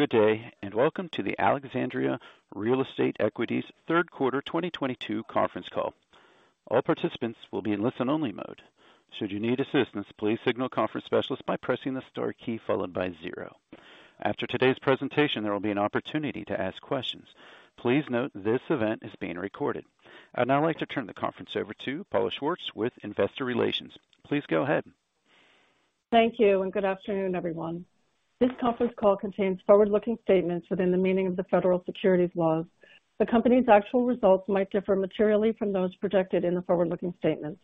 Good day, and welcome to the Alexandria Real Estate Equities third quarter 2022 conference call. All participants will be in listen only mode. Should you need assistance, please signal conference specialist by pressing the star key followed by zero. After today's presentation, there will be an opportunity to ask questions. Please note this event is being recorded. I'd now like to turn the conference over to Paula Schwartz with Investor Relations. Please go ahead. Thank you and good afternoon, everyone. This conference call contains forward-looking statements within the meaning of the federal securities laws. The company's actual results might differ materially from those projected in the forward-looking statements.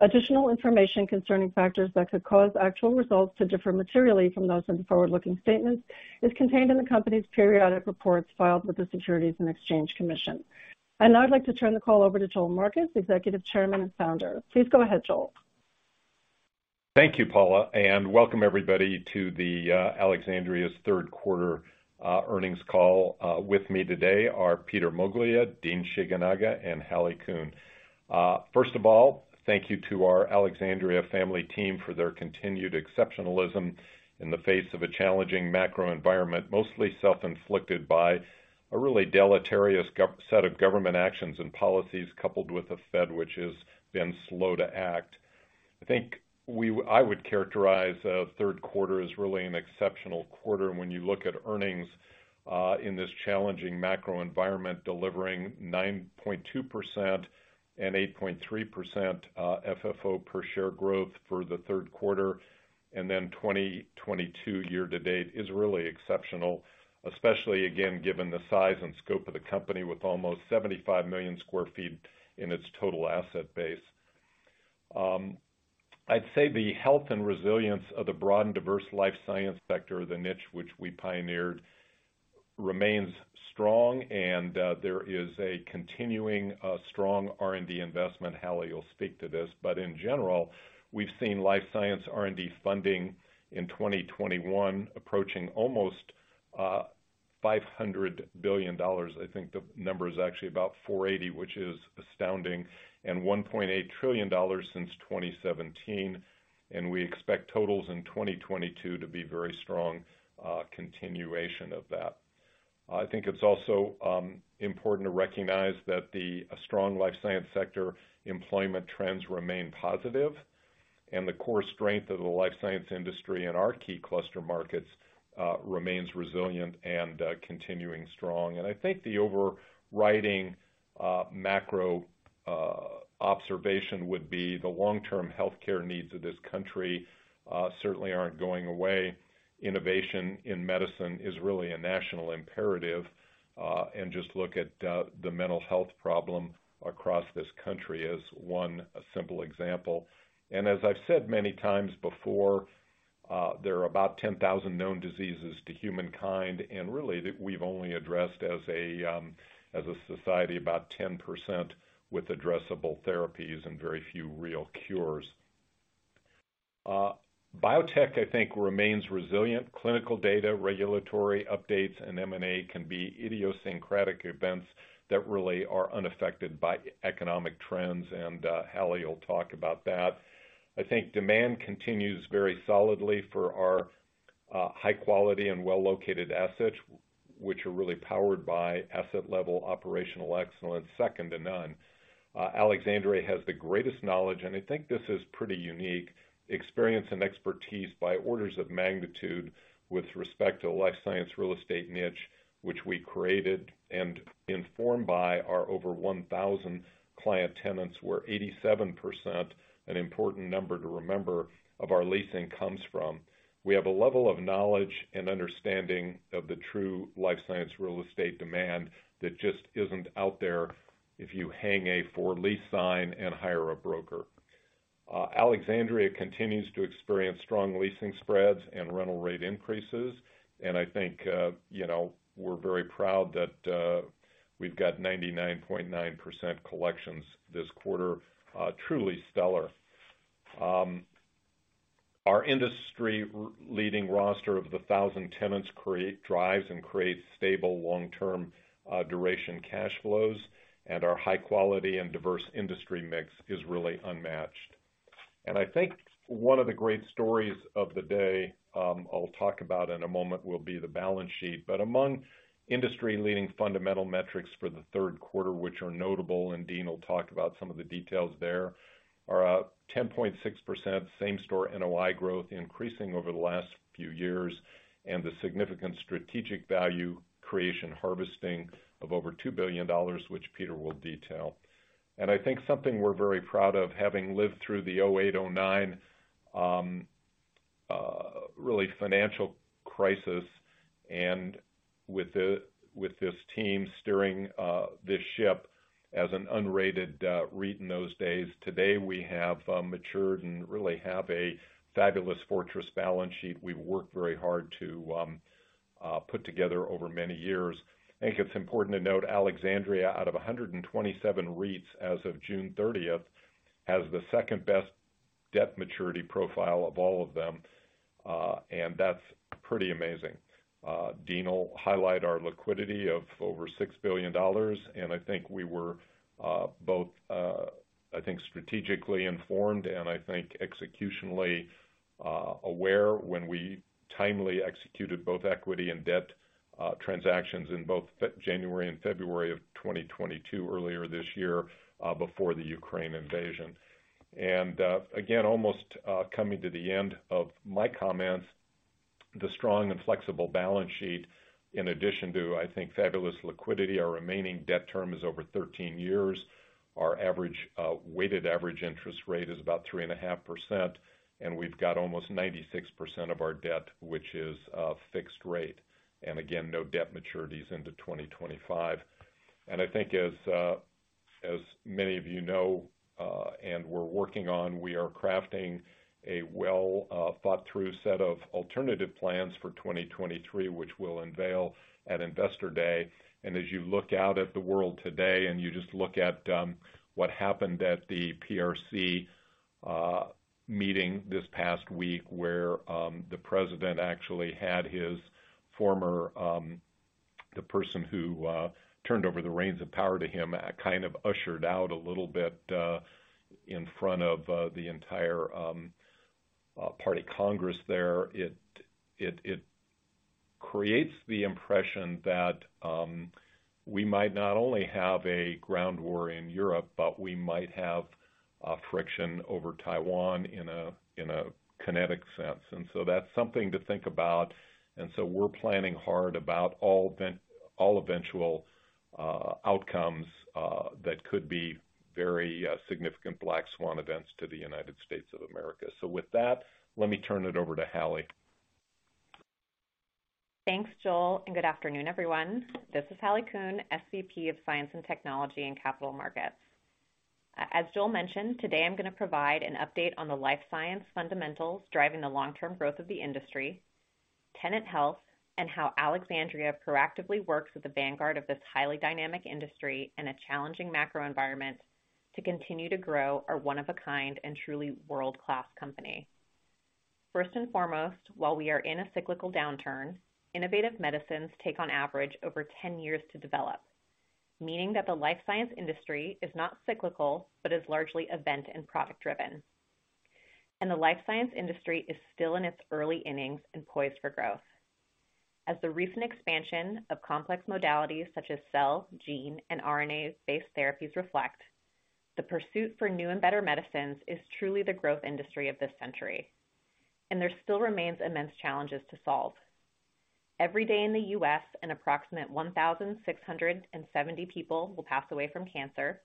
Additional information concerning factors that could cause actual results to differ materially from those in the forward-looking statements is contained in the company's periodic reports filed with the Securities and Exchange Commission. Now I'd like to turn the call over to Joel Marcus, Executive Chairman and Founder. Please go ahead, Joel. Thank you, Paula, and welcome everybody to the Alexandria's third quarter earnings call. With me today are Peter Moglia, Dean Shigenaga, and Hallie Kuhn. First of all, thank you to our Alexandria family team for their continued exceptionalism in the face of a challenging macro environment, mostly self-inflicted by a really deleterious set of government actions and policies, coupled with the Fed, which has been slow to act. I would characterize third quarter as really an exceptional quarter when you look at earnings in this challenging macro environment, delivering 9.2% and 8.3% FFO per share growth for the third quarter. 2022 year to date is really exceptional, especially again, given the size and scope of the company with almost 75 million sq ft in its total asset base. I'd say the health and resilience of the broad and diverse life science sector, the niche which we pioneered, remains strong and there is a continuing strong R&D investment. Hallie will speak to this, but in general, we've seen life science R&D funding in 2021 approaching almost $500 billion. I think the number is actually about $480 billion, which is astounding, and $1.8 trillion since 2017, and we expect totals in 2022 to be very strong continuation of that. I think it's also important to recognize that the strong life science sector employment trends remain positive, and the core strength of the life science industry in our key cluster markets remains resilient and continuing strong. I think the overriding macro observation would be the long-term healthcare needs of this country certainly aren't going away. Innovation in medicine is really a national imperative, and just look at the mental health problem across this country as one simple example. As I've said many times before, there are about 10,000 known diseases to humankind, and really, we've only addressed as a society about 10% with addressable therapies and very few real cures. Biotech, I think, remains resilient. Clinical data, regulatory updates, and M&A can be idiosyncratic events that really are unaffected by economic trends, and Hallie will talk about that. I think demand continues very solidly for our high quality and well-located assets, which are really powered by asset level operational excellence, second to none. Alexandria has the greatest knowledge, and I think this is pretty unique, experience and expertise by orders of magnitude with respect to life science real estate niche, which we created, and informed by our over 1,000 client tenants, where 87%, an important number to remember, of our leasing comes from. We have a level of knowledge and understanding of the true life science real estate demand that just isn't out there if you hang a for lease sign and hire a broker. Alexandria continues to experience strong leasing spreads and rental rate increases, and I think, you know, we're very proud that, we've got 99.9% collections this quarter. Truly stellar. Our industry leading roster of the 1,000 tenants drives and creates stable long-term, duration cash flows, and our high quality and diverse industry mix is really unmatched. I think one of the great stories of the day, I'll talk about in a moment, will be the balance sheet. Among industry leading fundamental metrics for the third quarter, which are notable, and Dean will talk about some of the details there, are 10.6% same store NOI growth increasing over the last few years and the significant strategic value creation harvesting of over $2 billion, which Peter will detail. I think something we're very proud of, having lived through the 2008, 2009 really financial crisis and with this team steering this ship as an unrated REIT in those days. Today, we have matured and really have a fabulous fortress balance sheet we've worked very hard to put together over many years. I think it's important to note Alexandria, out of 127 REITs as of June 30th, has the second-best debt maturity profile of all of them, and that's pretty amazing. Dean will highlight our liquidity of over $6 billion, and I think we were both, I think strategically informed and I think executionally aware when we timely executed both equity and debt transactions in both January and February of 2022, earlier this year, before the Ukraine invasion. Again, almost coming to the end of my comments. The strong and flexible balance sheet, in addition to, I think, fabulous liquidity. Our remaining debt term is over 13 years. Our average, weighted average interest rate is about 3.5%, and we've got almost 96% of our debt, which is fixed rate. Again, no debt maturities into 2025. I think as many of you know, and we're working on, we are crafting a well thought through set of alternative plans for 2023, which we'll unveil at Investor Day. As you look out at the world today, and you just look at what happened at the PRC meeting this past week, where the president actually had his former the person who turned over the reins of power to him kind of ushered out a little bit in front of the entire party congress there. It creates the impression that we might not only have a ground war in Europe, but we might have friction over Taiwan in a kinetic sense. That's something to think about. We're planning hard about all eventual outcomes that could be very significant black swan events to the United States of America. With that, let me turn it over to Hallie. Thanks, Joel, and good afternoon, everyone. This is Hallie Kuhn, SVP of Science and Technology and Capital Markets. As Joel mentioned, today I'm gonna provide an update on the life science fundamentals driving the long-term growth of the industry, tenant health, and how Alexandria proactively works with the vanguard of this highly dynamic industry and a challenging macro environment to continue to grow our one of a kind and truly world-class company. First and foremost, while we are in a cyclical downturn, innovative medicines take on average over 10 years to develop. Meaning that the life science industry is not cyclical, but is largely event and product driven. The life science industry is still in its early innings and poised for growth. As the recent expansion of complex modalities such as cell, gene, and RNA-based therapies reflect, the pursuit for new and better medicines is truly the growth industry of this century, and there still remains immense challenges to solve. Every day in the U.S., an approximate 1,670 people will pass away from cancer.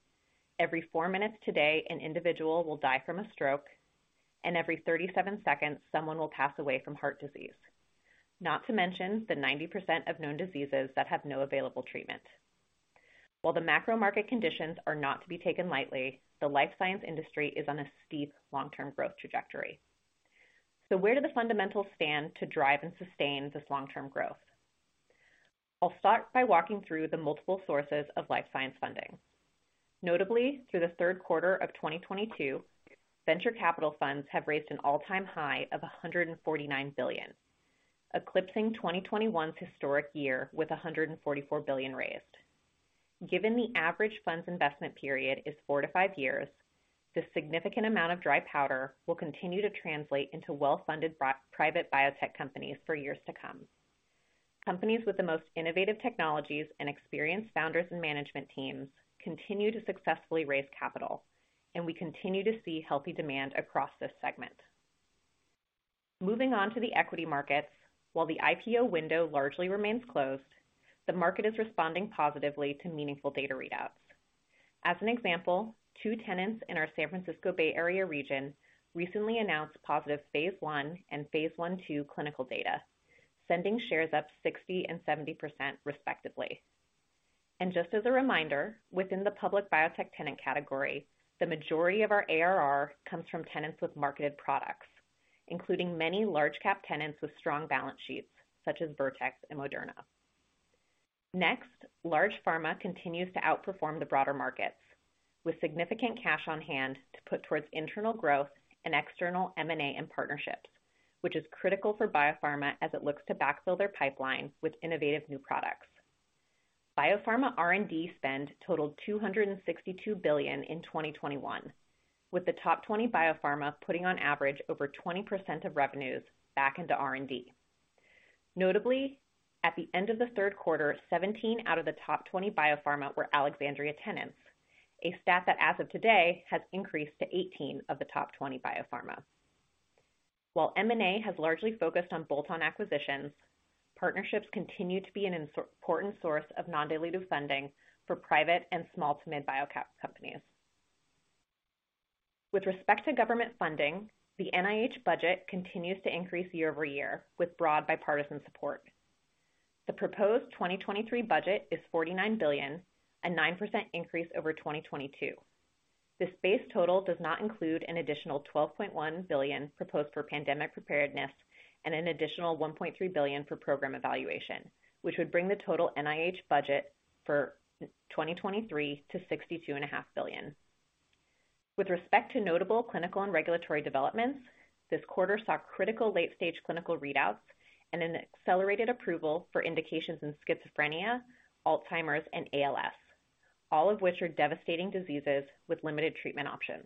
Every four minutes today, an individual will die from a stroke, and every 37 seconds someone will pass away from heart disease. Not to mention the 90% of known diseases that have no available treatment. While the macro market conditions are not to be taken lightly, the life science industry is on a steep long-term growth trajectory. Where do the fundamentals stand to drive and sustain this long-term growth? I'll start by walking through the multiple sources of life science funding. Notably, through the third quarter of 2022, venture capital funds have raised an all-time high of $149 billion. Eclipsing 2021's historic year with $144 billion raised. Given the average funds investment period is four-five years, this significant amount of dry powder will continue to translate into well-funded private biotech companies for years to come. Companies with the most innovative technologies and experienced founders and management teams continue to successfully raise capital, and we continue to see healthy demand across this segment. Moving on to the equity markets. While the IPO window largely remains closed, the market is responding positively to meaningful data readouts. As an example, two tenants in our San Francisco Bay Area region recently announced positive phase II and phase I/II clinical data, sending shares up 60% and 70% respectively. Just as a reminder, within the public biotech tenant category, the majority of our ARR comes from tenants with marketed products, including many large cap tenants with strong balance sheets such as Vertex and Moderna. Next, large pharma continues to outperform the broader markets with significant cash on hand to put towards internal growth and external M&A and partnerships, which is critical for biopharma as it looks to backfill their pipeline with innovative new products. Biopharma R&D spend totaled $262 billion in 2021, with the top 20 biopharma putting on average over 20% of revenues back into R&D. Notably, at the end of the third quarter, 17 out of the top 20 biopharma were Alexandria tenants. A stat that as of today has increased to 18 of the top 20 biopharma. While M&A has largely focused on bolt-on acquisitions, partnerships continue to be an important source of non-dilutive funding for private and small to mid bio cap companies. With respect to government funding, the NIH budget continues to increase year-over-year with broad bipartisan support. The proposed 2023 budget is $49 billion, a 9% increase over 2022. This base total does not include an additional $12.1 billion proposed for pandemic preparedness and an additional $1.3 billion for program evaluation, which would bring the total NIH budget for 2023 to $62.5 billion. With respect to notable clinical and regulatory developments, this quarter saw critical late-stage clinical readouts and an accelerated approval for indications in schizophrenia, Alzheimer's and ALS. All of which are devastating diseases with limited treatment options.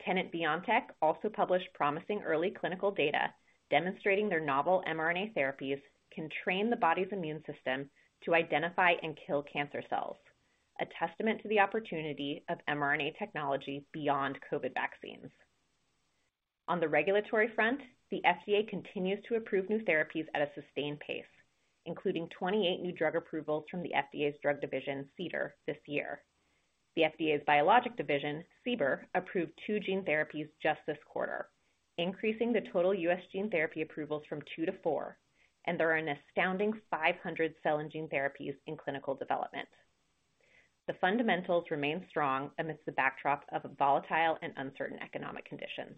Tenant biotech also published promising early clinical data demonstrating their novel mRNA therapies can train the body's immune system to identify and kill cancer cells, a testament to the opportunity of mRNA technology beyond COVID vaccines. On the regulatory front, the FDA continues to approve new therapies at a sustained pace, including 28 new drug approvals from the FDA's drug division, CDER, this year. The FDA's biologic division, CBER, approved two gene therapies just this quarter, increasing the total U.S. gene therapy approvals from two-four, and there are an astounding 500 cell and gene therapies in clinical development. The fundamentals remain strong amidst the backdrop of volatile and uncertain economic conditions.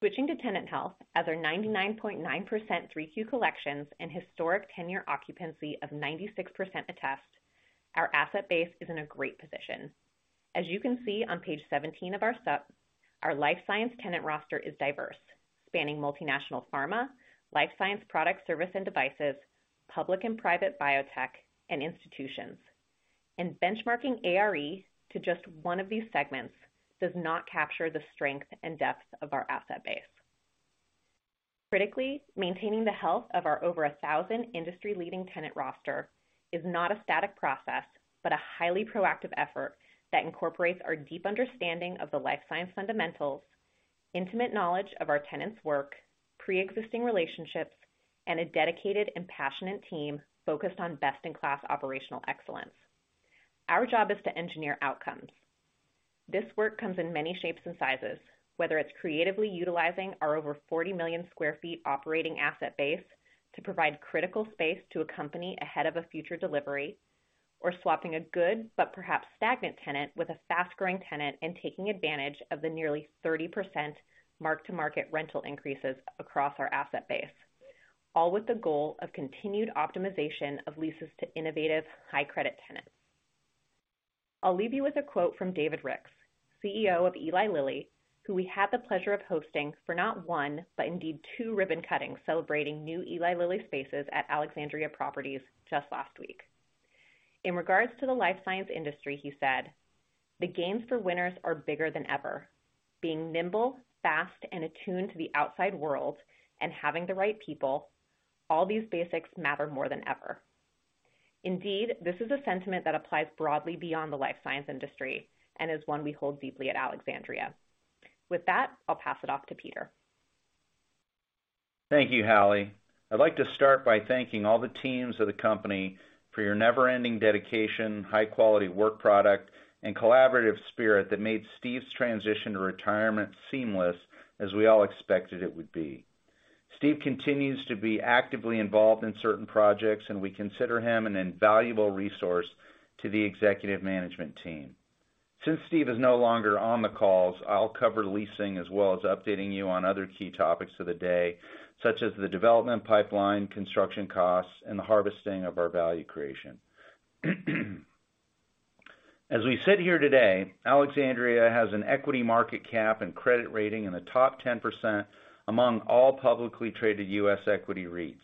Switching to tenant health, as our 99.9% 3Q collections and historic tenant occupancy of 96% attest, our asset base is in a great position. As you can see on page 17 of our [supplemental], our life science tenant roster is diverse, spanning multinational pharma, life science product service and devices, public and private biotech and institutions. Benchmarking ARE to just one of these segments does not capture the strength and depth of our asset base. Critically, maintaining the health of our over 1,000 industry-leading tenant roster is not a static process, but a highly proactive effort that incorporates our deep understanding of the life science fundamentals, intimate knowledge of our tenants' work, pre-existing relationships, and a dedicated and passionate team focused on best-in-class operational excellence. Our job is to engineer outcomes. This work comes in many shapes and sizes, whether it's creatively utilizing our over 40 million sq ft operating asset base to provide critical space to a company ahead of a future delivery. Swapping a good but perhaps stagnant tenant with a fast-growing tenant and taking advantage of the nearly 30% mark to market rental increases across our asset base, all with the goal of continued optimization of leases to innovative high credit tenants. I'll leave you with a quote from David Ricks, CEO of Eli Lilly, who we had the pleasure of hosting for not one, but indeed two ribbon cuttings celebrating new Eli Lilly spaces at Alexandria Properties just last week. In regards to the life science industry, he said, "The gains for winners are bigger than ever. Being nimble, fast, and attuned to the outside world and having the right people, all these basics matter more than ever." Indeed, this is a sentiment that applies broadly beyond the life science industry and is one we hold deeply at Alexandria. With that, I'll pass it off to Peter. Thank you, Hallie. I'd like to start by thanking all the teams of the company for your never-ending dedication, high-quality work product, and collaborative spirit that made Steve's transition to retirement seamless as we all expected it would be. Steve continues to be actively involved in certain projects, and we consider him an invaluable resource to the executive management team. Since Steve is no longer on the calls, I'll cover leasing as well as updating you on other key topics of the day, such as the development pipeline, construction costs, and the harvesting of our value creation. As we sit here today, Alexandria has an equity market cap and credit rating in the top 10% among all publicly traded U.S. equity REITs.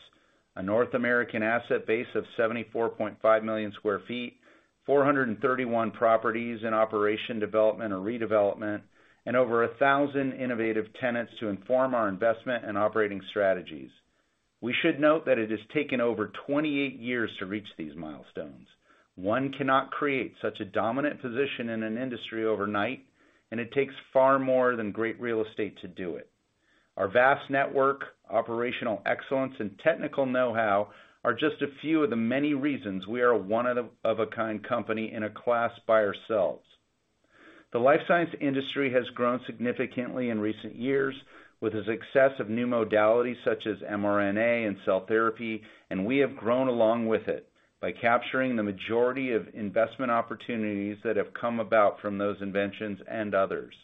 A North American asset base of 74.5 million sq ft, 431 properties in operation development or redevelopment, and over 1,000 innovative tenants to inform our investment and operating strategies. We should note that it has taken over 28 years to reach these milestones. One cannot create such a dominant position in an industry overnight, and it takes far more than great real estate to do it. Our vast network, operational excellence, and technical know-how are just a few of the many reasons we are a one of a kind company in a class by ourselves. The life science industry has grown significantly in recent years with the success of new modalities such as mRNA and cell therapy, and we have grown along with it by capturing the majority of investment opportunities that have come about from those inventions and others.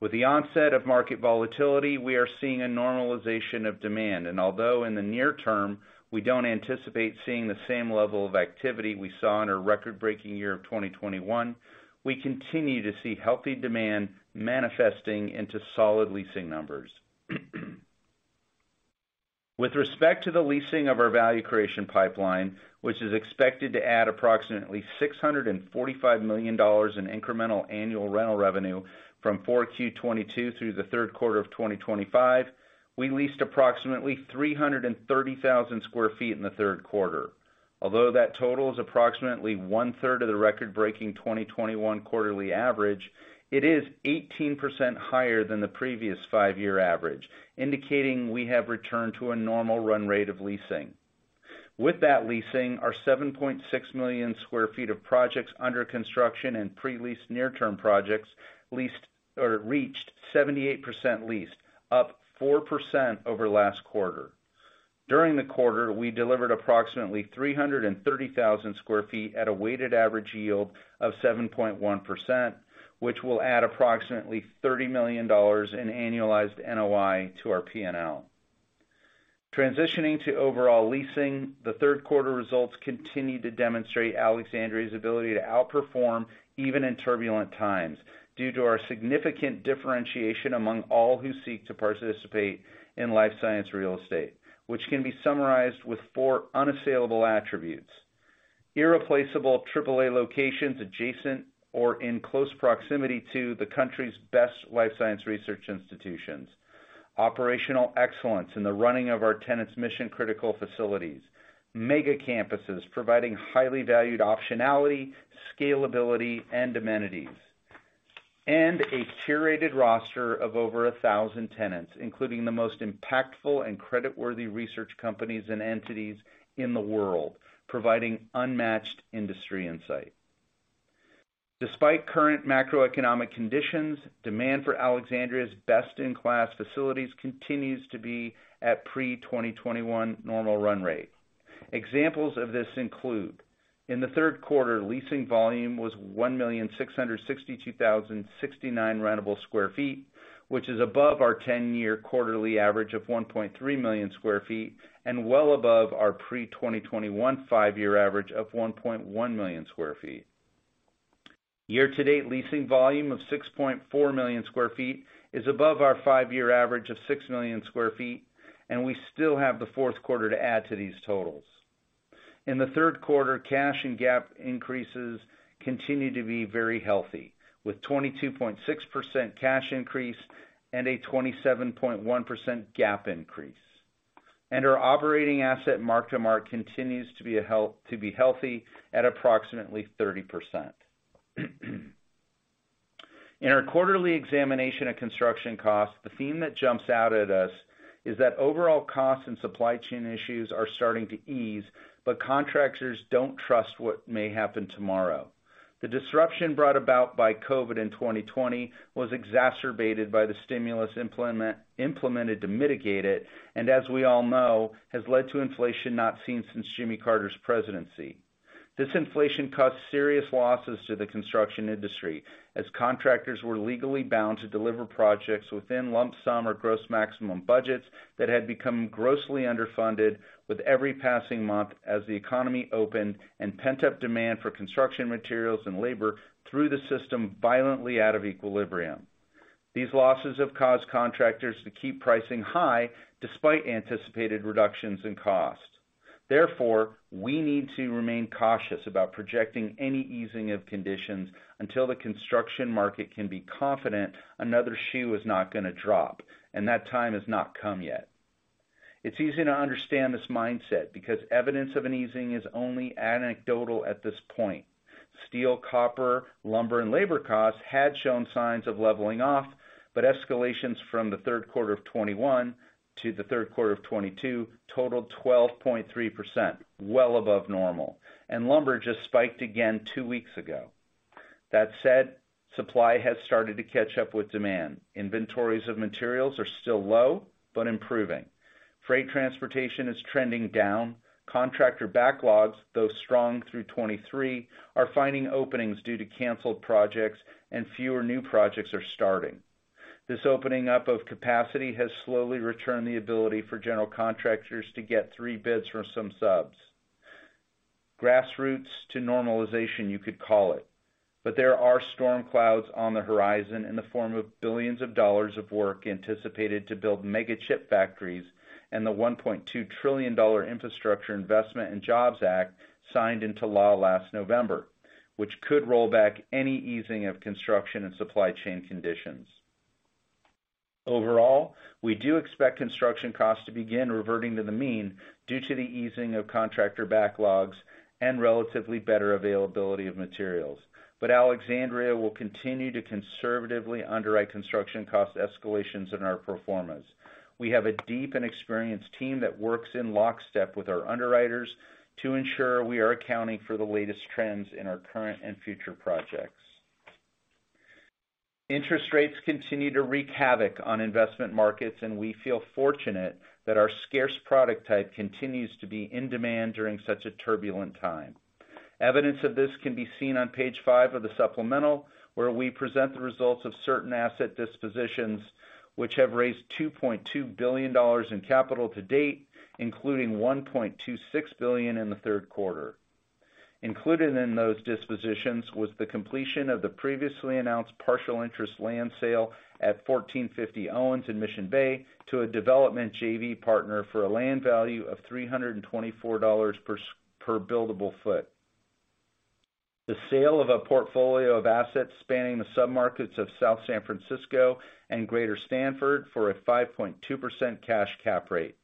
With the onset of market volatility, we are seeing a normalization of demand. Although in the near term, we don't anticipate seeing the same level of activity we saw in our record-breaking year of 2021, we continue to see healthy demand manifesting into solid leasing numbers. With respect to the leasing of our value creation pipeline, which is expected to add approximately $645 million in incremental annual rental revenue from 4Q 2022 through the third quarter of 2025, we leased approximately 330,000 sq ft in the third quarter. Although that total is approximately 1/3 of the record-breaking 2021 quarterly average, it is 18% higher than the previous five year average, indicating we have returned to a normal run rate of leasing. With that leasing, our 7.6 million sq ft of projects under construction and pre-leased near-term projects leased or reached 78% leased, up 4% over last quarter. During the quarter, we delivered approximately 330,000 sq ft at a weighted average yield of 7.1%, which will add approximately $30 million in annualized NOI to our P&L. Transitioning to overall leasing, the third quarter results continued to demonstrate Alexandria's ability to outperform even in turbulent times due to our significant differentiation among all who seek to participate in life science real estate, which can be summarized with four unassailable attributes. Irreplaceable AAA locations adjacent or in close proximity to the country's best life science research institutions. Operational excellence in the running of our tenants' mission-critical facilities. Mega campuses providing highly valued optionality, scalability, and amenities. A curated roster of over 1,000 tenants, including the most impactful and creditworthy research companies and entities in the world, providing unmatched industry insight. Despite current macroeconomic conditions, demand for Alexandria's best-in-class facilities continues to be at pre 2021 normal run rate. Examples of this include, in the third quarter, leasing volume was 1,662,069 rentable sq ft, which is above our 10 year quarterly average of 1.3 million sq ft and well above our pre 2021 five year average of 1.1 million sq ft. Year-to-date leasing volume of 6.4 million sq ft is above our five-year average of 6 million sq ft, and we still have the fourth quarter to add to these totals. In the third quarter, cash and GAAP increases continue to be very healthy, with 22.6% cash increase and a 27.1% GAAP increase. Our operating asset mark-to-market continues to be healthy at approximately 30%. In our quarterly examination of construction costs, the theme that jumps out at us is that overall costs and supply chain issues are starting to ease, but contractors don't trust what may happen tomorrow. The disruption brought about by COVID in 2020 was exacerbated by the stimulus implemented to mitigate it, and as we all know, has led to inflation not seen since Jimmy Carter's presidency. This inflation caused serious losses to the construction industry as contractors were legally bound to deliver projects within lump sum or gross maximum budgets that had become grossly underfunded with every passing month as the economy opened and pent-up demand for construction materials and labor threw the system violently out of equilibrium. These losses have caused contractors to keep pricing high despite anticipated reductions in cost. Therefore, we need to remain cautious about projecting any easing of conditions until the construction market can be confident another shoe is not gonna drop, and that time has not come yet. It's easy to understand this mindset because evidence of an easing is only anecdotal at this point. Steel, copper, lumber, and labor costs had shown signs of leveling off, but escalations from the third quarter of 2021 to the third quarter of 2022 totaled 12.3%, well above normal. Lumber just spiked again two weeks ago. That said, supply has started to catch up with demand. Inventories of materials are still low, but improving. Freight transportation is trending down. Contractor backlogs, though strong through 2023, are finding openings due to canceled projects and fewer new projects are starting. This opening up of capacity has slowly returned the ability for general contractors to get three bids from some subs. Grassroots to normalization, you could call it. There are storm clouds on the horizon in the form of billions of dollars of work anticipated to build mega chip factories and the $1.2 trillion Infrastructure Investment and Jobs Act signed into law last November, which could roll back any easing of construction and supply chain conditions. Overall, we do expect construction costs to begin reverting to the mean due to the easing of contractor backlogs and relatively better availability of materials. Alexandria will continue to conservatively underwrite construction cost escalations in our pro formas. We have a deep and experienced team that works in lockstep with our underwriters to ensure we are accounting for the latest trends in our current and future projects. Interest rates continue to wreak havoc on investment markets, and we feel fortunate that our scarce product type continues to be in demand during such a turbulent time. Evidence of this can be seen on page five of the supplemental, where we present the results of certain asset dispositions which have raised $2.2 billion in capital to date, including $1.26 billion in the third quarter. Included in those dispositions was the completion of the previously announced partial interest land sale at 1450 Owens in Mission Bay to a development JV partner for a land value of $324 per buildable foot. The sale of a portfolio of assets spanning the submarkets of South San Francisco and Greater Stanford for a 5.2% cash cap rate.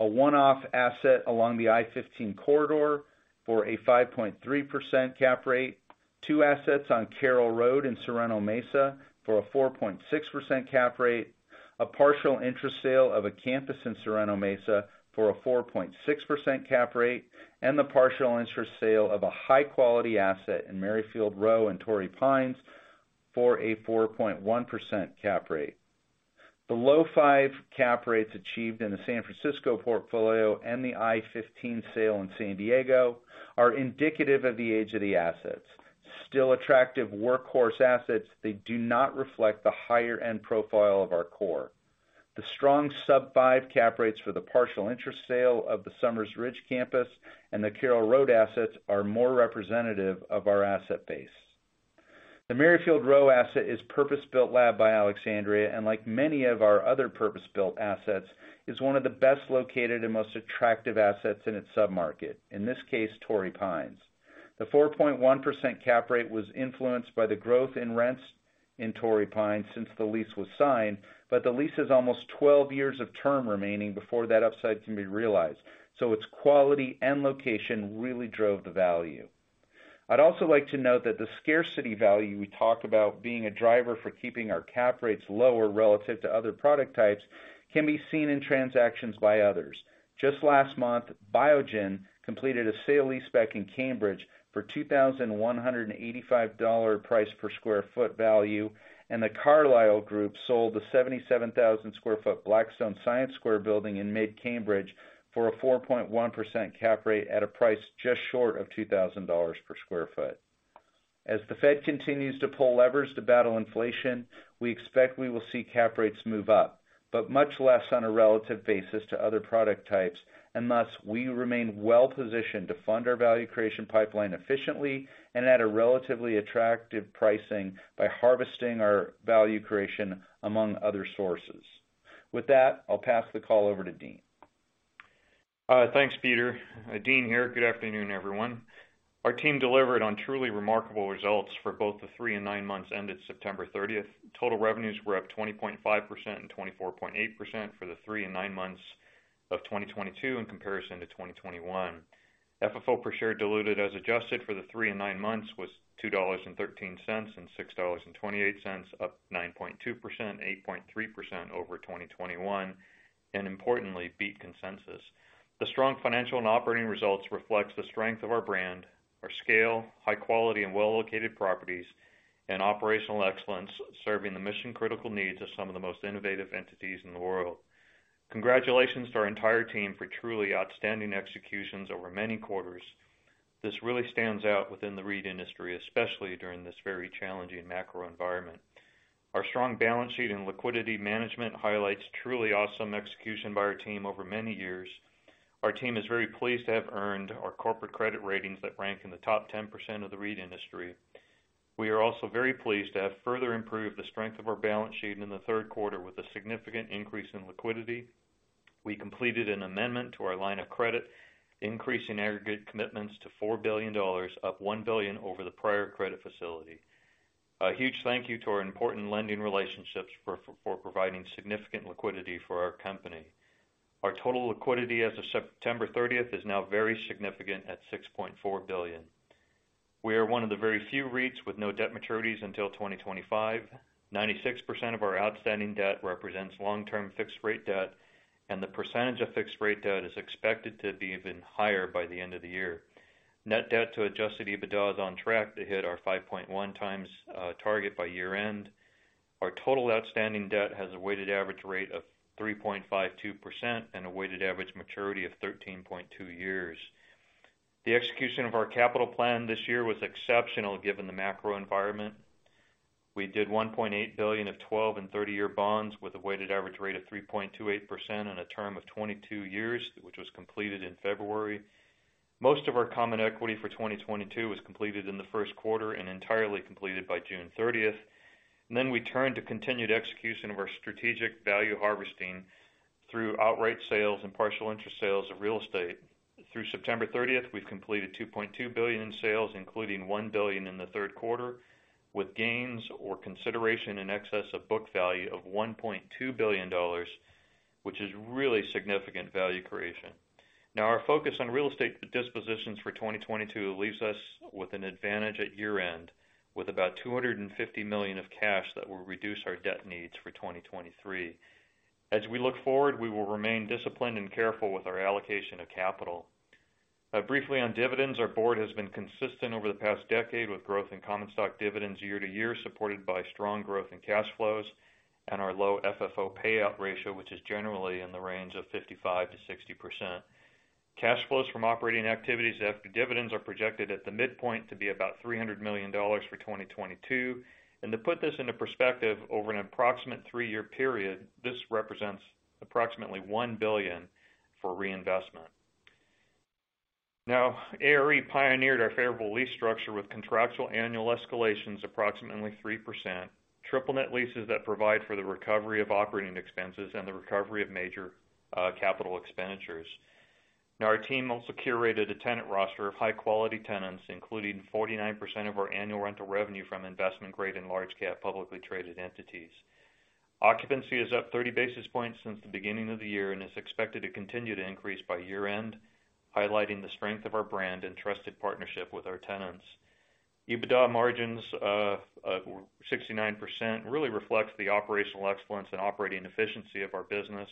A one-off asset along the I-15 corridor for a 5.3% cap rate. Two assets on Carroll Road in Sorrento Mesa for a 4.6% cap rate. A partial interest sale of a campus in Sorrento Mesa for a 4.6% cap rate. The partial interest sale of a high-quality asset in Merryfield Row in Torrey Pines for a 4.1% cap rate. The low 5% cap rates achieved in the San Francisco portfolio and the I-15 sale in San Diego are indicative of the age of the assets. Still attractive workhorse assets, they do not reflect the higher-end profile of our core. The strong sub 5% cap rates for the partial interest sale of the Summers Ridge campus and the Carroll Road assets are more representative of our asset base. The Merryfield Row asset is purpose-built lab by Alexandria, and like many of our other purpose-built assets, is one of the best located and most attractive assets in its sub-market, in this case, Torrey Pines. The 4.1% cap rate was influenced by the growth in rents in Torrey Pines since the lease was signed, but the lease has almost 12 years of term remaining before that upside can be realized, so its quality and location really drove the value. I'd also like to note that the scarcity value we talk about being a driver for keeping our cap rates lower relative to other product types, can be seen in transactions by others. Just last month, Biogen completed a sale leaseback in Cambridge for $2,185 per sq ft value, and the Carlyle Group sold the 77,000 sq ft Blackstone Science Square building in mid-Cambridge for a 4.1% cap rate at a price just short of $2,000 per sq ft. As the Fed continues to pull levers to battle inflation, we expect we will see cap rates move up, but much less on a relative basis to other product types. Thus, we remain well positioned to fund our value creation pipeline efficiently and at a relatively attractive pricing by harvesting our value creation, among other sources. With that, I'll pass the call over to Dean. Thanks, Peter. Dean here. Good afternoon, everyone. Our team delivered on truly remarkable results for both the three and nine months ended September 30th. Total revenues were up 20.5% and 24.8% for the three and nine months of 2022 in comparison to 2021. FFO per share diluted as adjusted for the three and nine months was $2.13 and $6.28, up 9.2%, 8.3% over 2021, and importantly, beat consensus. The strong financial and operating results reflects the strength of our brand, our scale, high quality, and well-located properties, and operational excellence, serving the mission-critical needs of some of the most innovative entities in the world. Congratulations to our entire team for truly outstanding executions over many quarters. This really stands out within the REIT industry, especially during this very challenging macro environment. Our strong balance sheet and liquidity management highlights truly awesome execution by our team over many years. Our team is very pleased to have earned our corporate credit ratings that rank in the top 10% of the REIT industry. We are also very pleased to have further improved the strength of our balance sheet in the third quarter with a significant increase in liquidity. We completed an amendment to our line of credit, increasing aggregate commitments to $4 billion, up $1 billion over the prior credit facility. A huge thank you to our important lending relationships for providing significant liquidity for our company. Our total liquidity as of September thirtieth is now very significant at $6.4 billion. We are one of the very few REITs with no debt maturities until 2025. 96% of our outstanding debt represents long-term fixed rate debt, and the percentage of fixed rate debt is expected to be even higher by the end of the year. Net debt to adjusted EBITDA is on track to hit our 5.1x target by year-end. Our total outstanding debt has a weighted average rate of 3.52% and a weighted average maturity of 13.2 years. The execution of our capital plan this year was exceptional given the macro environment. We did $1.8 billion of 12 and 30 year bonds with a weighted average rate of 3.28% and a term of 22 years, which was completed in February. Most of our common equity for 2022 was completed in the first quarter and entirely completed by June 30th. We turned to continued execution of our strategic value harvesting through outright sales and partial interest sales of real estate. Through September 30th, we've completed $2.2 billion in sales, including $1 billion in the third quarter, with gains or consideration in excess of book value of $1.2 billion, which is really significant value creation. Our focus on real estate dispositions for 2022 leaves us with an advantage at year-end, with about $250 million of cash that will reduce our debt needs for 2023. As we look forward, we will remain disciplined and careful with our allocation of capital. Briefly on dividends, our board has been consistent over the past decade with growth in common stock dividends year to year, supported by strong growth in cash flows and our low FFO payout ratio, which is generally in the range of 55%-60%. Cash flows from operating activities after dividends are projected at the midpoint to be about $300 million for 2022. To put this into perspective, over an approximate three year period, this represents approximately $1 billion for reinvestment. Now, ARE pioneered our favorable lease structure with contractual annual escalations approximately 3%, triple net leases that provide for the recovery of operating expenses and the recovery of major capital expenditures. Now our team also curated a tenant roster of high-quality tenants, including 49% of our annual rental revenue from investment-grade and large cap publicly traded entities. Occupancy is up 30 basis points since the beginning of the year and is expected to continue to increase by year-end, highlighting the strength of our brand and trusted partnership with our tenants. EBITDA margins of 69% really reflects the operational excellence and operating efficiency of our business,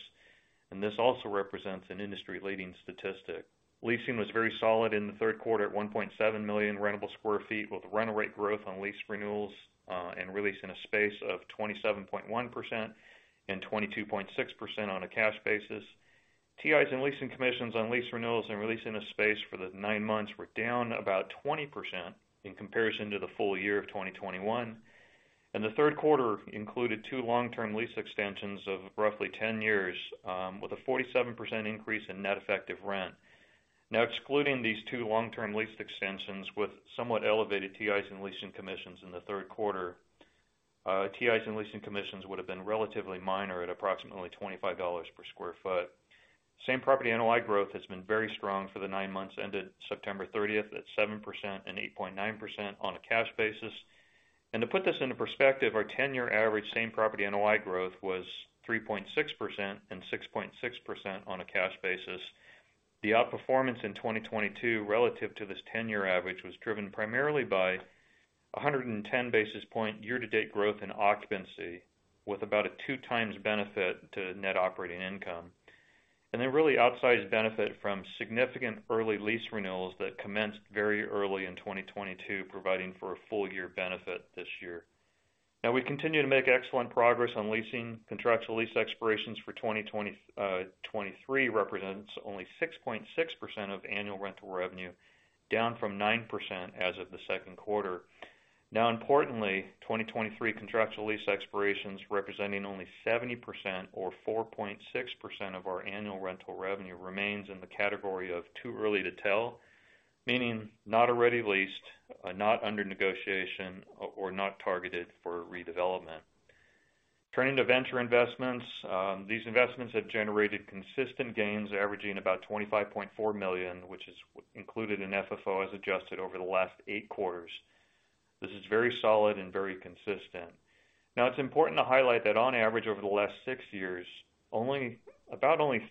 and this also represents an industry-leading statistic. Leasing was very solid in the third quarter at 1.7 million rentable sq ft, with rental rate growth on lease renewals and releasing the space of 27.1% and 22.6% on a cash basis. TIs and leasing commissions on lease renewals and releasing the space for the nine months were down about 20% in comparison to the full year of 2021. The third quarter included two long-term lease extensions of roughly 10 years, with a 47% increase in net effective rent. Now, excluding these two long-term lease extensions with somewhat elevated TIs and leasing commissions in the third quarter, TIs and leasing commissions would have been relatively minor at approximately $25 per sq ft. Same-property NOI growth has been very strong for the nine months ended September 30 at 7% and 8.9% on a cash basis. To put this into perspective, our 10 year average same-property NOI growth was 3.6% and 6.6% on a cash basis. The outperformance in 2022 relative to this 10 year average was driven primarily by a 110 basis point year-to-date growth in occupancy, with about a 2x benefit to net operating income. Really outsized benefit from significant early lease renewals that commenced very early in 2022, providing for a full year benefit this year. Now we continue to make excellent progress on leasing. Contractual lease expirations for 2023 represents only 6.6% of annual rental revenue, down from 9% as of the second quarter. Now importantly, 2023 contractual lease expirations representing only 70% or 4.6% of our annual rental revenue remains in the category of too early to tell. Meaning, not already leased, not under negotiation, or not targeted for redevelopment. Turning to venture investments, these investments have generated consistent gains averaging about $25.4 million, which is included in FFO as adjusted over the last eight quarters. This is very solid and very consistent. Now it's important to highlight that on average over the last six years, only about 30%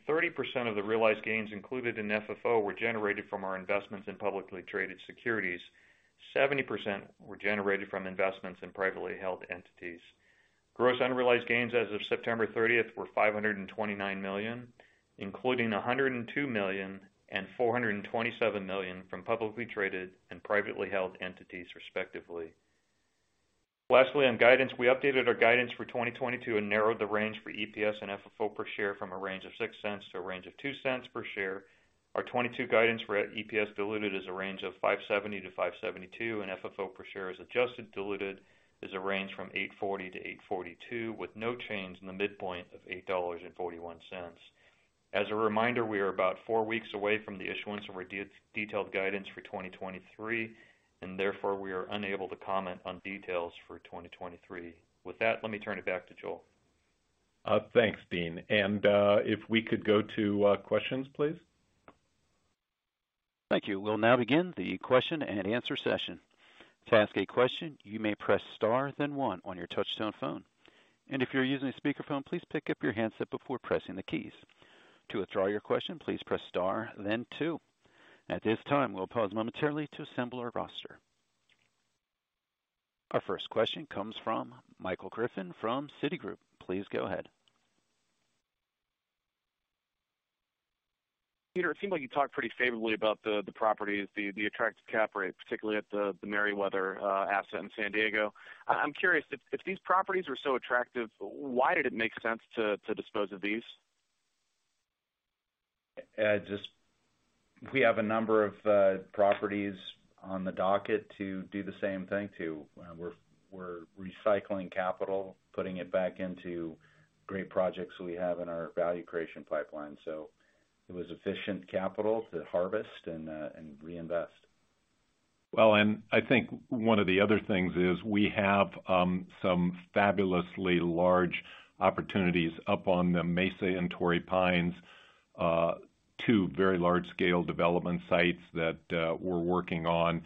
of the realized gains included in FFO were generated from our investments in publicly traded securities. 70% were generated from investments in privately held entities. Gross unrealized gains as of September 30th were $529 million, including $102 million and $427 million from publicly traded and privately held entities, respectively. Lastly, on guidance, we updated our guidance for 2022 and narrowed the range for EPS and FFO per share from a range of $0.06 to a range of $0.02 per share. Our 2022 guidance for EPS diluted is a range of $5.70-$5.72, and FFO per share adjusted diluted is a range from $8.40-$8.42, with no change in the midpoint of $8.41. As a reminder, we are about four weeks away from the issuance of our detailed guidance for 2023, and therefore we are unable to comment on details for 2023. With that, let me turn it back to Joel. Thanks, Dean. If we could go to questions, please. Thank you. We'll now begin the question-and-answer session. To ask a question, you may press star then one on your touchtone phone. If you're using a speakerphone, please pick up your handset before pressing the keys. To withdraw your question, please press star then two. At this time, we'll pause momentarily to assemble our roster. Our first question comes from Michael Griffin from Citigroup. Please go ahead. Peter, it seems like you talked pretty favorably about the properties, the attractive cap rate, particularly at the Merryfield asset in San Diego. I'm curious if these properties were so attractive, why did it make sense to dispose of these? We have a number of properties on the docket to do the same thing. We're recycling capital, putting it back into great projects we have in our value creation pipeline. It was efficient capital to harvest and reinvest. I think one of the other things is we have some fabulously large opportunities up on the Sorrento Mesa and Torrey Pines, two very large-scale development sites that we're working on.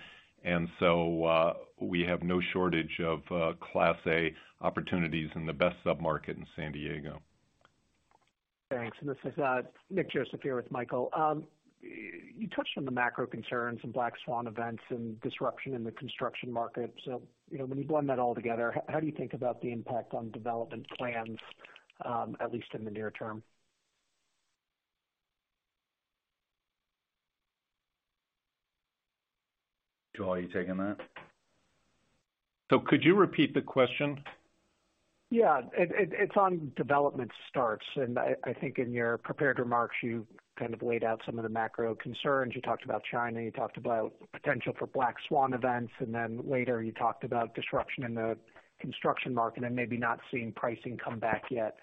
We have no shortage of Class A opportunities in the best submarket in San Diego. Thanks. This is Nick Joseph here with Michael. You touched on the macro concerns and black swan events and disruption in the construction market. You know, when you blend that all together, how do you think about the impact on development plans, at least in the near term? Joel, are you taking that? Could you repeat the question? Yeah. It's on development starts. I think in your prepared remarks, you kind of laid out some of the macro concerns. You talked about China, you talked about potential for black swan events, and then later you talked about disruption in the construction market and maybe not seeing pricing come back yet.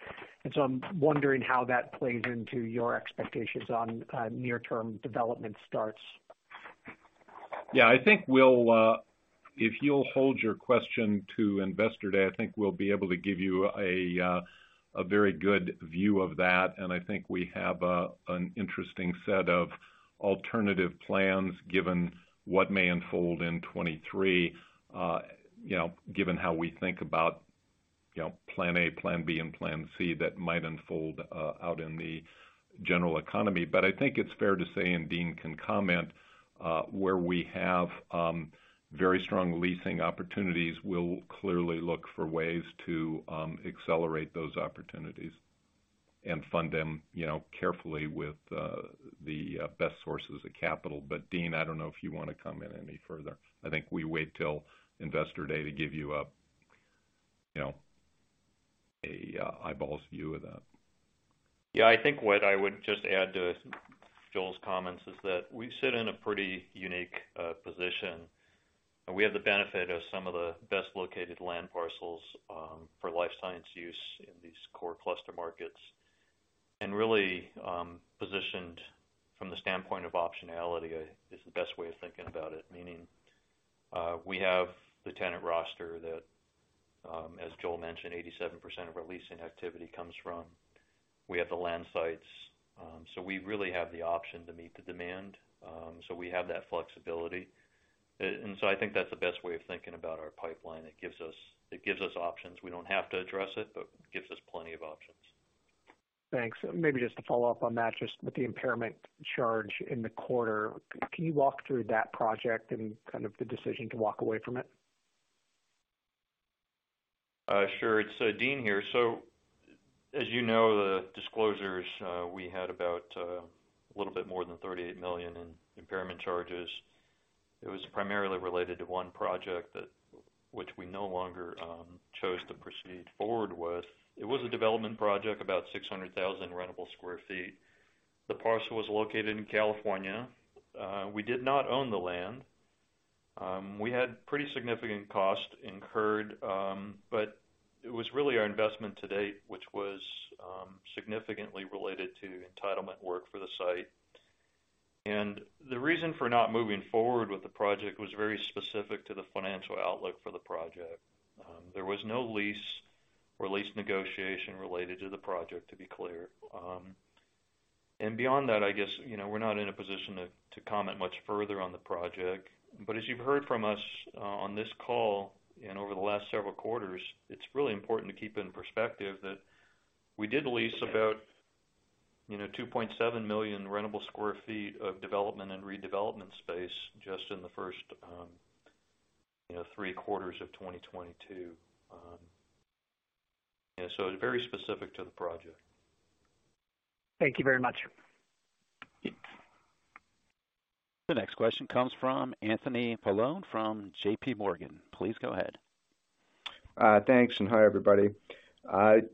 I'm wondering how that plays into your expectations on near-term development starts. Yeah. If you'll hold your question to Investor Day, I think we'll be able to give you a very good view of that. I think we have an interesting set of alternative plans given what may unfold in 2023, you know, given how we think about, you know, plan A, plan B, and plan C that might unfold out in the general economy. I think it's fair to say, and Dean can comment, where we have very strong leasing opportunities, we'll clearly look for ways to accelerate those opportunities and fund them, you know, carefully with the best sources of capital. Dean, I don't know if you wanna comment any further. I think we wait till Investor Day to give you a. You know, an eyeball view of that. Yeah, I think what I would just add to Joel's comments is that we sit in a pretty unique position, and we have the benefit of some of the best located land parcels for life science use in these core cluster markets. Really, positioned from the standpoint of optionality is the best way of thinking about it. Meaning, we have the tenant roster that, as Joel mentioned, 87% of our leasing activity comes from. We have the land sites. We really have the option to meet the demand. We have that flexibility. I think that's the best way of thinking about our pipeline. It gives us options. We don't have to address it, but gives us plenty of options. Thanks. Maybe just to follow up on that, just with the impairment charge in the quarter. Can you walk through that project and kind of the decision to walk away from it? Sure. It's Dean here. As you know, the disclosures, we had about a little bit more than $38 million in impairment charges. It was primarily related to one project that which we no longer chose to proceed forward with. It was a development project, about 600,000 rentable sq ft. The parcel was located in California. We did not own the land. We had pretty significant costs incurred, but it was really our investment to date, which was, significantly related to entitlement work for the site. The reason for not moving forward with the project was very specific to the financial outlook for the project. There was no lease or lease negotiation related to the project, to be clear. Beyond that, I guess, you know, we're not in a position to comment much further on the project. As you've heard from us on this call and over the last several quarters, it's really important to keep in perspective that we did lease about, you know, 2.7 million rentable sq ft of development and redevelopment space just in the first three quarters of 2022. Very specific to the project. Thank you very much. The next question comes from Anthony Paolone from JPMorgan. Please go ahead. Thanks, and hi, everybody.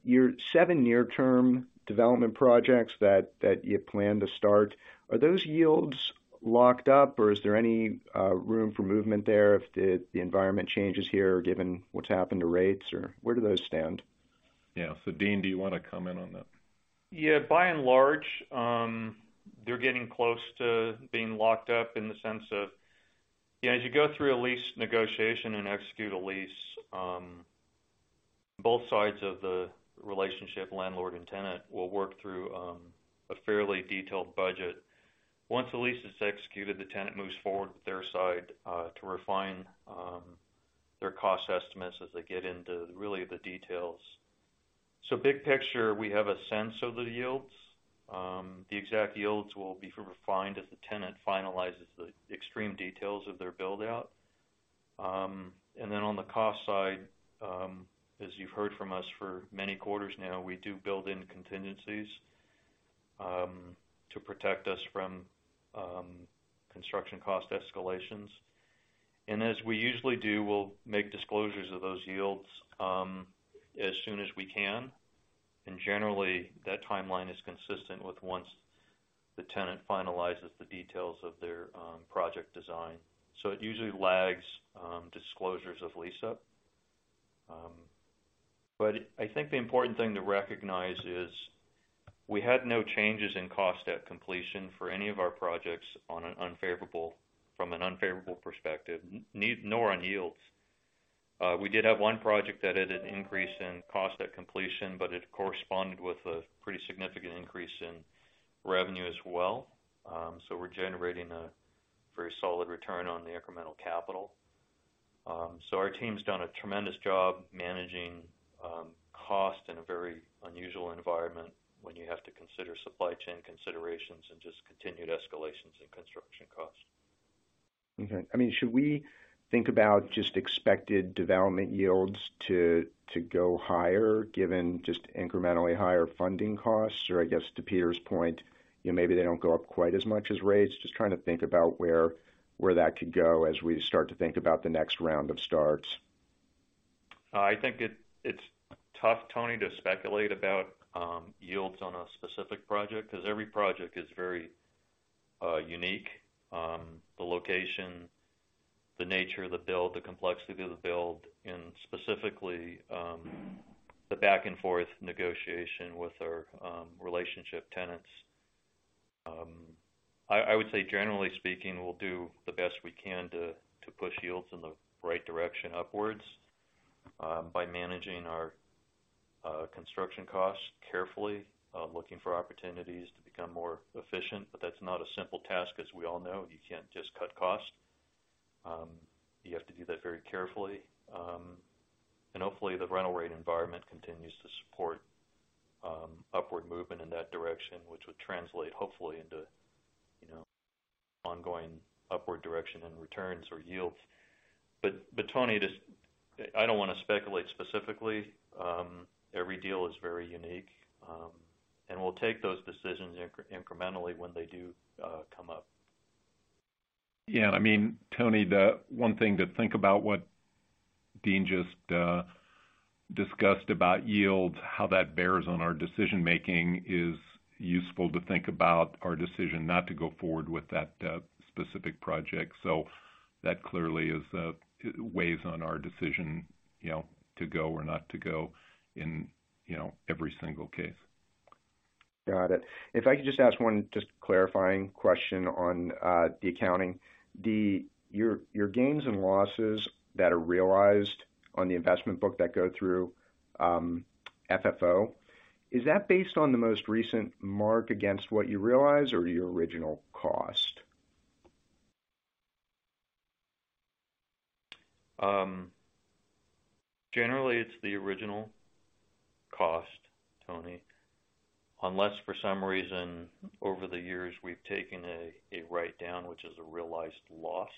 Your seven near-term development projects that you plan to start, are those yields locked up, or is there any room for movement there if the environment changes here, given what's happened to rates, or where do those stand? Yeah. Dean, do you wanna comment on that? Yeah. By and large, they're getting close to being locked up in the sense of, yeah, as you go through a lease negotiation and execute a lease, both sides of the relationship, landlord and tenant, will work through a fairly detailed budget. Once the lease is executed, the tenant moves forward with their side to refine their cost estimates as they get into, really, the details. Big picture, we have a sense of the yields. The exact yields will be refined as the tenant finalizes the extreme details of their build-out. On the cost side, as you've heard from us for many quarters now, we do build in contingencies to protect us from construction cost escalations. As we usually do, we'll make disclosures of those yields as soon as we can. Generally, that timeline is consistent with once the tenant finalizes the details of their project design. It usually lags disclosures of lease-up. I think the important thing to recognize is we had no changes in cost at completion for any of our projects from an unfavorable perspective, neither nor on yields. We did have one project that had an increase in cost at completion, but it corresponded with a pretty significant increase in revenue as well. We're generating a very solid return on the incremental capital. Our team's done a tremendous job managing cost in a very unusual environment when you have to consider supply chain considerations and just continued escalations in construction costs. Okay. I mean, should we think about just expected development yields to go higher given just incrementally higher funding costs? Or I guess to Peter's point, you know, maybe they don't go up quite as much as rates. Just trying to think about where that could go as we start to think about the next round of starts. It's tough, Tony, to speculate about yields on a specific project, 'cause every project is very unique. The location, the nature of the build, the complexity of the build, and specifically, the back and forth negotiation with our relationship tenants. I would say, generally speaking, we'll do the best we can to push yields in the right direction upwards by managing our construction costs carefully, looking for opportunities to become more efficient. That's not a simple task. As we all know, you can't just cut costs. You have to do that very carefully. Hopefully, the rental rate environment continues to support upward movement in that direction, which would translate hopefully into, you know, ongoing upward direction in returns or yields. Tony, just I don't wanna speculate specifically. Every deal is very unique. We'll take those decisions incrementally when they do come up. I mean, Tony, the one thing to think about what Dean just discussed about yields, how that bears on our decision-making, is useful to think about our decision not to go forward with that specific project. That clearly is it weighs on our decision, you know, to go or not to go in, you know, every single case. Got it. If I could just ask one just clarifying question on the accounting. Your gains and losses that are realized on the investment book that go through FFO, is that based on the most recent mark against what you realize or your original cost? Generally it's the original cost, Tony. Unless for some reason over the years we've taken a write-down, which is a realized loss,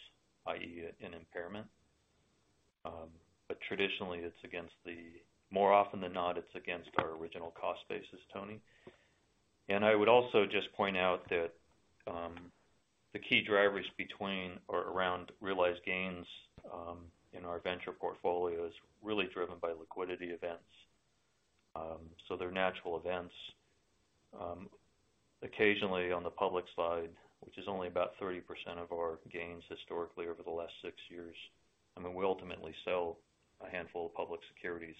i.e., an impairment. Traditionally, more often than not, it's against our original cost basis, Tony. I would also just point out that the key drivers between or around realized gains in our venture portfolio is really driven by liquidity events. They're natural events. Occasionally on the public side, which is only about 30% of our gains historically over the last six years, I mean, we ultimately sell a handful of public securities,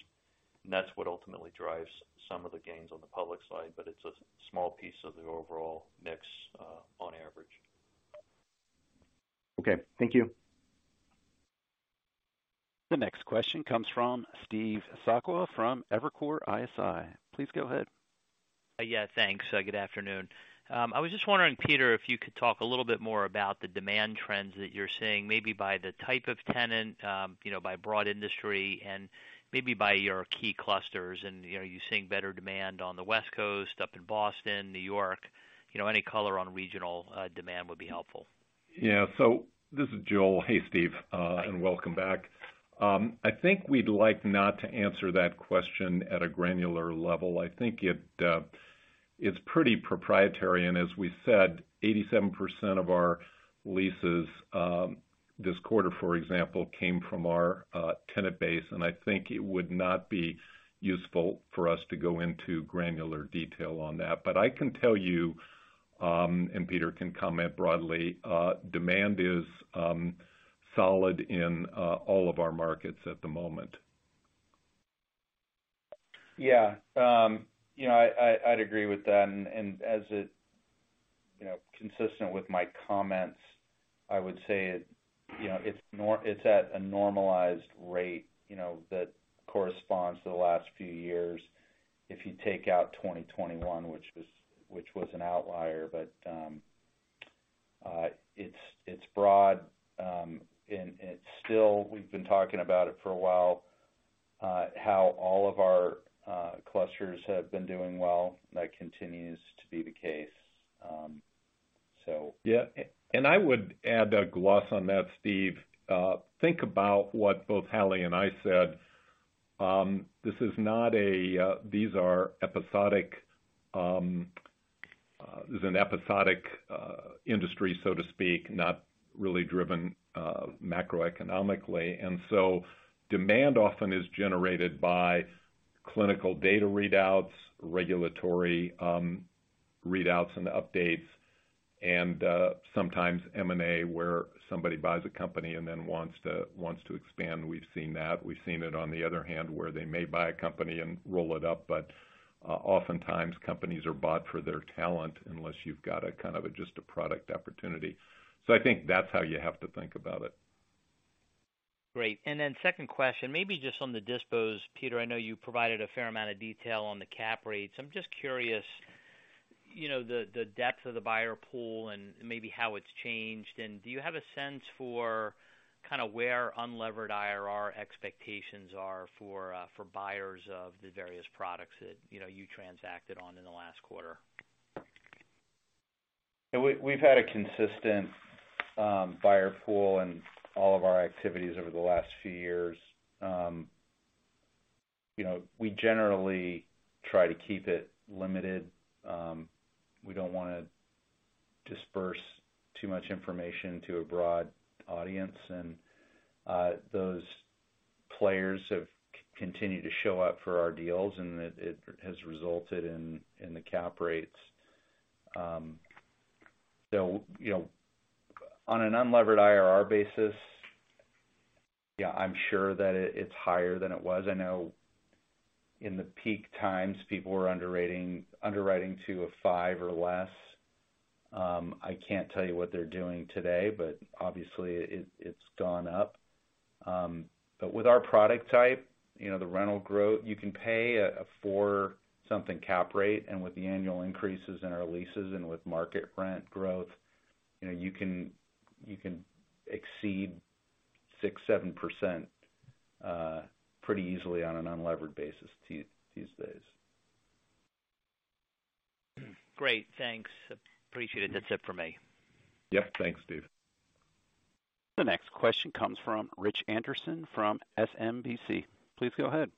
and that's what ultimately drives some of the gains on the public side, but it's a small piece of the overall mix on average. Okay. Thank you. The next question comes from Steve Sakwa from Evercore ISI. Please go ahead. Yeah. Thanks. Good afternoon. I was just wondering, Peter, if you could talk a little bit more about the demand trends that you're seeing, maybe by the type of tenant, you know, by broad industry and maybe by your key clusters and, you know, are you seeing better demand on the West Coast, up in Boston, New York? You know, any color on regional demand would be helpful. This is Joel. Hey, Steve, and welcome back. I think we'd like not to answer that question at a granular level. I think it's pretty proprietary. As we said, 87% of our leases this quarter, for example, came from our tenant base, and I think it would not be useful for us to go into granular detail on that. I can tell you, and Peter can comment broadly, demand is solid in all of our markets at the moment. Yeah. You know, I'd agree with that. Consistent with my comments, I would say, you know, it's at a normalized rate, you know, that corresponds to the last few years if you take out 2021, which was an outlier. It's broad, and it's still, we've been talking about it for a while, how all of our clusters have been doing well, and that continues to be the case. Yeah. I would add a gloss on that, Steve. Think about what both Hallie and I said. This is an episodic industry, so to speak, not really driven macroeconomically. Demand often is generated by clinical data readouts, regulatory readouts and updates, and sometimes M&A, where somebody buys a company and then wants to expand. We've seen that. We've seen it on the other hand, where they may buy a company and roll it up. Oftentimes companies are bought for their talent unless you've got a kind of just a product opportunity. I think that's how you have to think about it. Great. Second question, maybe just on the dispositions. Peter, I know you provided a fair amount of detail on the cap rates. I'm just curious, you know, the depth of the buyer pool and maybe how it's changed. Do you have a sense for kind of where unlevered IRR expectations are for buyers of the various products that, you know, you transacted on in the last quarter? Yeah. We've had a consistent buyer pool in all of our activities over the last few years. You know, we generally try to keep it limited. We don't wanna disperse too much information to a broad audience. Those players have continued to show up for our deals and it has resulted in the cap rates. You know, on an unlevered IRR basis, yeah, I'm sure that it's higher than it was. I know in the peak times people were underwriting to 5% or less. I can't tell you what they're doing today, but obviously it's gone up. With our product type, you know, the rental growth, you can pay a four something cap rate, and with the annual increases in our leases and with market rent growth, you know, you can exceed 6%-7% pretty easily on an unlevered basis these days. Great. Thanks. Appreciate it. That's it for me. Yep. Thanks, Steve. The next question comes from Richard Anderson from SMBC. Please go ahead.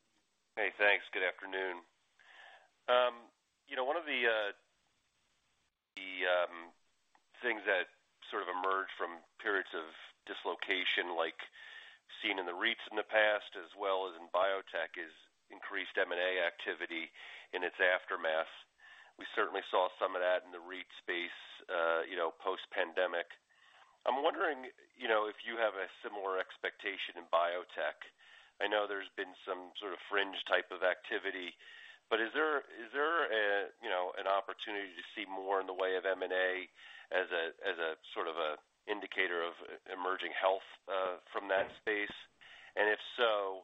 Hey, thanks. Good afternoon. You know, one of the things that sort of emerged from periods of dislocation, like seen in the REITs in the past as well as in biotech, is increased M&A activity in its aftermath. We certainly saw some of that in the REIT space, you know, post-pandemic. I'm wondering, you know, if you have a similar expectation in biotech. I know there's been some sort of fringe type of activity, but is there a, you know, an opportunity to see more in the way of M&A as a sort of indicator of emerging health from that space? If so,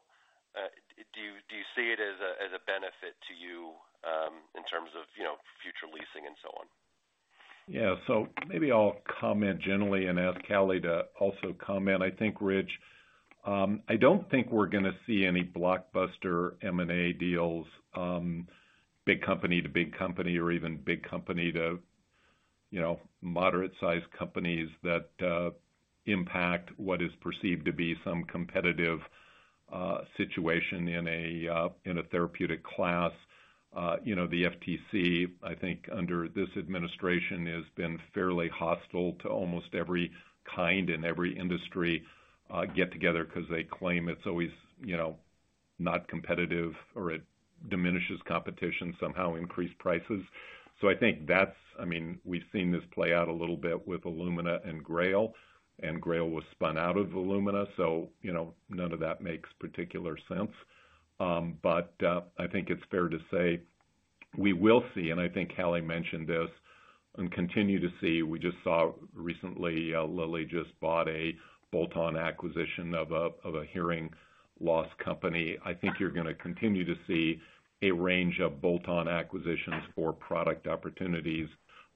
do you see it as a benefit to you in terms of, you know, future leasing and so on? Yeah. Maybe I'll comment generally and ask Hallie to also comment. I think, Rich, I don't think we're gonna see any blockbuster M&A deals, big company to big company or even big company to, you know, moderate sized companies that impact what is perceived to be some competitive situation in a therapeutic class. You know, the FTC, I think under this administration has been fairly hostile to almost every kind in every industry get together because they claim it's always, you know, not competitive or it diminishes competition, somehow increased prices. I think that's. I mean, we've seen this play out a little bit with Illumina and Grail, and Grail was spun out of Illumina, so, you know, none of that makes particular sense. I think it's fair to say we will see, and I think Hallie mentioned this, and continue to see. We just saw recently, Lilly just bought a bolt-on acquisition of a hearing loss company. I think you're gonna continue to see a range of bolt-on acquisitions for product opportunities.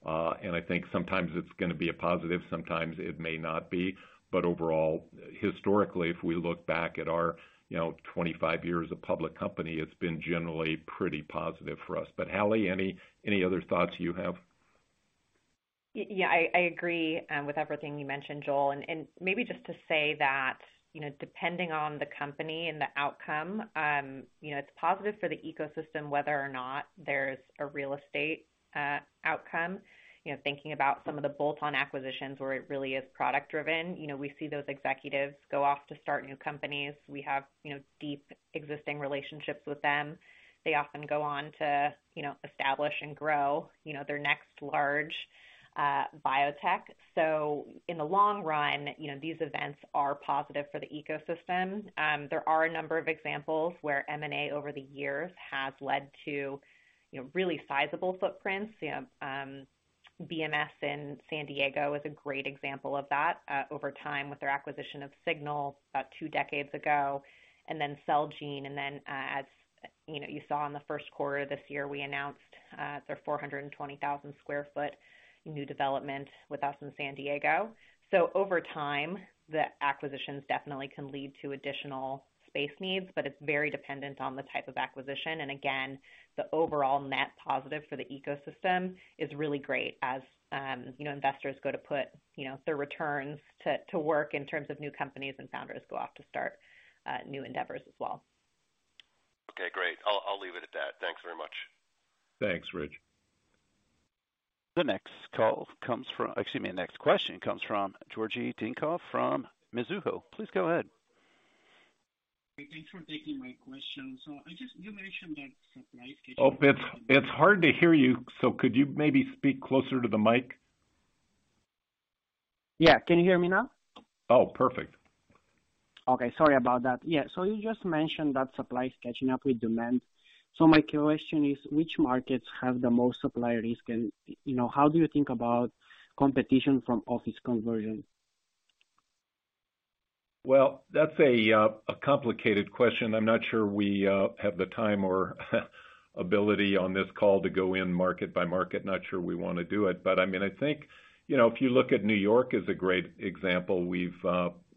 I think sometimes it's gonna be a positive, sometimes it may not be. Overall, historically, if we look back at our, you know, 25 years of public company, it's been generally pretty positive for us. Hallie, any other thoughts you have? Yeah, I agree with everything you mentioned, Joel. Maybe just to say that, you know, depending on the company and the outcome, you know, it's positive for the ecosystem whether or not there's a real estate outcome. You know, thinking about some of the bolt-on acquisitions where it really is product driven, you know, we see those executives go off to start new companies. We have, you know, deep existing relationships with them. They often go on to, you know, establish and grow, you know, their next large biotech. In the long run, you know, these events are positive for the ecosystem. There are a number of examples where M&A over the years has led to, you know, really sizable footprints. You know, BMS in San Diego is a great example of that, over time with their acquisition of signal about two decades ago, and then Celgene, and then, as you know, you saw in the first quarter this year, we announced their 420,000 sq ft new development with us in San Diego. Over time, the acquisitions definitely can lead to additional space needs, but it's very dependent on the type of acquisition. Again, the overall net positive for the ecosystem is really great as, you know, investors go to put, you know, their returns to work in terms of new companies and founders go off to start new endeavors as well. Okay, great. I'll leave it at that. Thanks very much. Thanks, Rich. The next question comes from Georgi Dinkov from Mizuho. Please go ahead. Thanks for taking my question. You mentioned that supply is catching up with demand. Oh, it's hard to hear you, so could you maybe speak closer to the mic? Yeah. Can you hear me now? Oh, perfect. Okay. Sorry about that. Yeah. You just mentioned that supply is catching up with demand. My question is, which markets have the most supply risk? You know, how do you think about competition from office conversion? Well, that's a complicated question. I'm not sure we have the time or ability on this call to go in market by market. Not sure we wanna do it. I mean, I think, you know, if you look at New York as a great example, we've,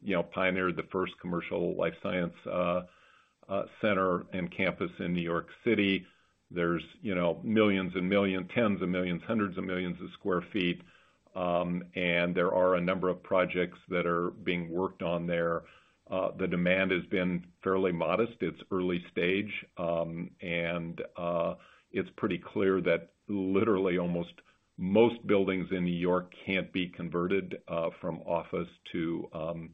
you know, pioneered the first commercial life science center and campus in New York City. There's, you know, millions and millions, tens of millions, hundreds of millions square feet. There are a number of projects that are being worked on there. The demand has been fairly modest. It's early stage, and it's pretty clear that most buildings in New York can't be converted from office to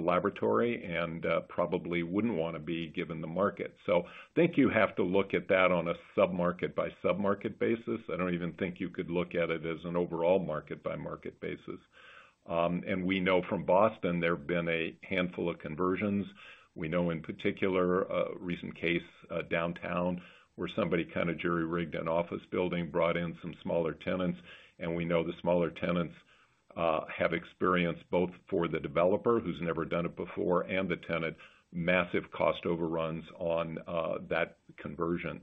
laboratory, and probably wouldn't wanna be given the market. I think you have to look at that on a sub-market by sub-market basis. I don't even think you could look at it as an overall market by market basis. We know from Boston there have been a handful of conversions. We know in particular a recent case, downtown where somebody kind of jury-rigged an office building, brought in some smaller tenants, and we know the smaller tenants have experienced, both for the developer who's never done it before and the tenant, massive cost overruns on that conversion.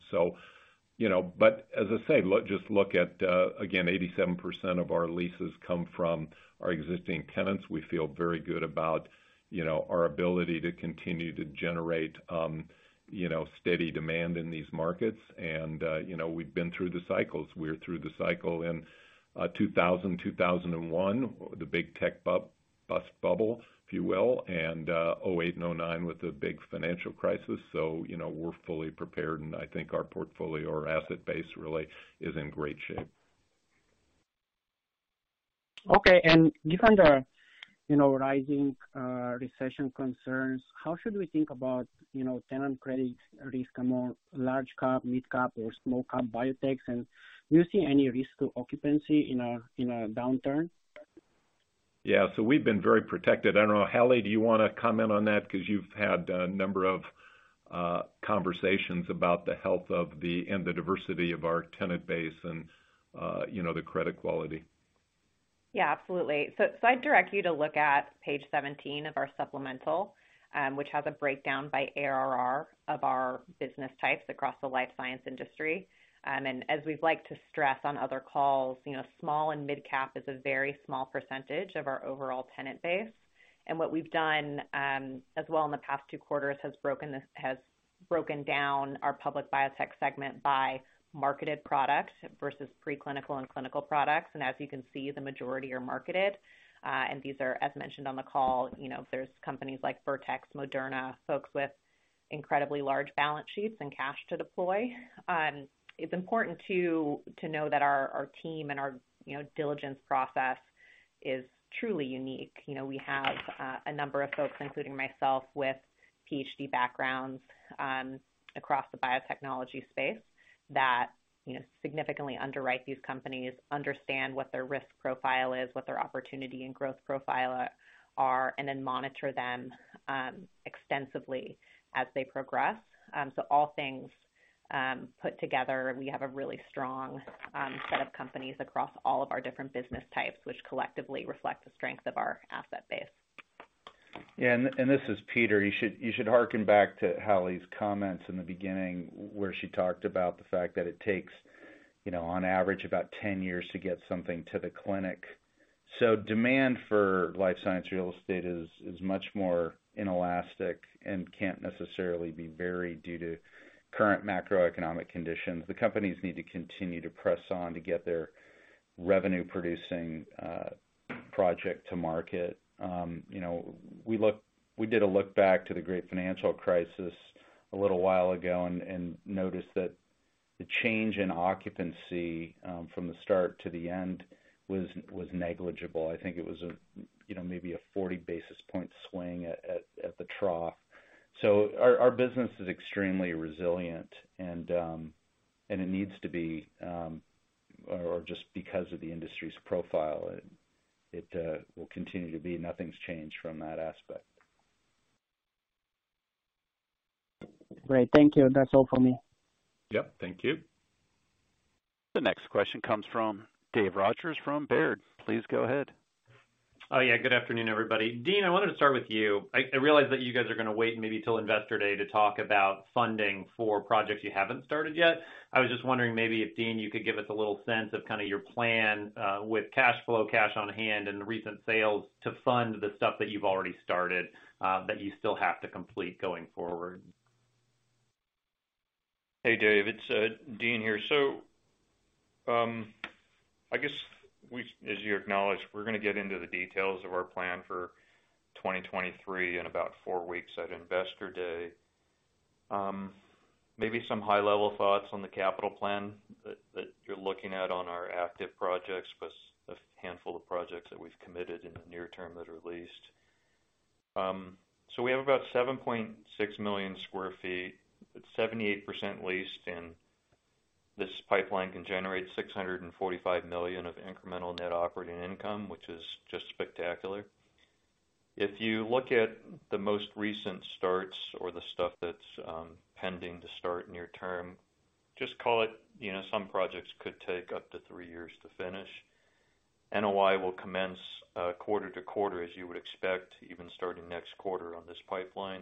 As I say, look, just look at again, 87% of our leases come from our existing tenants. We feel very good about, you know, our ability to continue to generate, you know, steady demand in these markets. You know, we've been through the cycles. We're through the cycle in 2001, the big tech bust bubble, if you will, and 2008 and 2009 with the big financial crisis. You know, we're fully prepared, and I think our portfolio or asset base really is in great shape. Okay. Given the, you know, rising recession concerns, how should we think about, you know, tenant credit risk among large cap, mid cap or small cap biotechs? Do you see any risk to occupancy in a downturn? Yeah. We've been very protected. I don't know, Hallie, do you wanna comment on that because you've had a number of conversations about the health and the diversity of our tenant base and, you know, the credit quality? Yeah, absolutely. I'd direct you to look at page 17 of our supplemental, which has a breakdown by ARR of our business types across the life science industry. As we'd like to stress on other calls, you know, small and mid-cap is a very small percentage of our overall tenant base. What we've done as well in the past two quarters has broken down our public biotech segment by marketed products versus pre-clinical and clinical products. As you can see, the majority are marketed. These are, as mentioned on the call, you know, there's companies like Vertex, Moderna, folks with incredibly large balance sheets and cash to deploy. It's important too to know that our team and our you know diligence process is truly unique. You know, we have a number of folks, including myself, with PhD backgrounds across the biotechnology space that, you know, significantly underwrite these companies, understand what their risk profile is, what their opportunity and growth profile are, and then monitor them extensively as they progress. All things put together, we have a really strong set of companies across all of our different business types, which collectively reflect the strength of our asset base. Yeah. This is Peter. You should harken back to Hallie's comments in the beginning where she talked about the fact that it takes, you know, on average about 10 years to get something to the clinic. Demand for life science real estate is much more inelastic and can't necessarily be varied due to current macroeconomic conditions. The companies need to continue to press on to get their revenue-producing project to market. You know, we did a look back to the great financial crisis a little while ago and noticed that the change in occupancy from the start to the end was negligible. I think it was a, you know, maybe a 40 basis point swing at the trough. Our business is extremely resilient and it needs to be or just because of the industry's profile, it will continue to be. Nothing's changed from that aspect. Great. Thank you. That's all for me. Yep. Thank you. The next question comes from David Rodgers from Baird. Please go ahead. Oh, yeah. Good afternoon, everybody. Dean, I wanted to start with you. I realize that you guys are gonna wait maybe till Investor Day to talk about funding for projects you haven't started yet. I was just wondering maybe if, Dean, you could give us a little sense of kinda your plan with cash flow, cash on hand and recent sales to fund the stuff that you've already started that you still have to complete going forward. Hey, Dave, it's Dean here. I guess as you acknowledged, we're gonna get into the details of our plan for 2023 in about four weeks at Investor Day. Maybe some high-level thoughts on the capital plan that you're looking at on our active projects, plus a handful of projects that we've committed in the near term that are leased. We have about 7.6 million sq ft, 78% leased, and this pipeline can generate $645 million of incremental net operating income, which is just spectacular. If you look at the most recent starts or the stuff that's pending to start near term, just call it, you know, some projects could take up to three years to finish. NOI will commence quarter-to-quarter, as you would expect, even starting next quarter on this pipeline.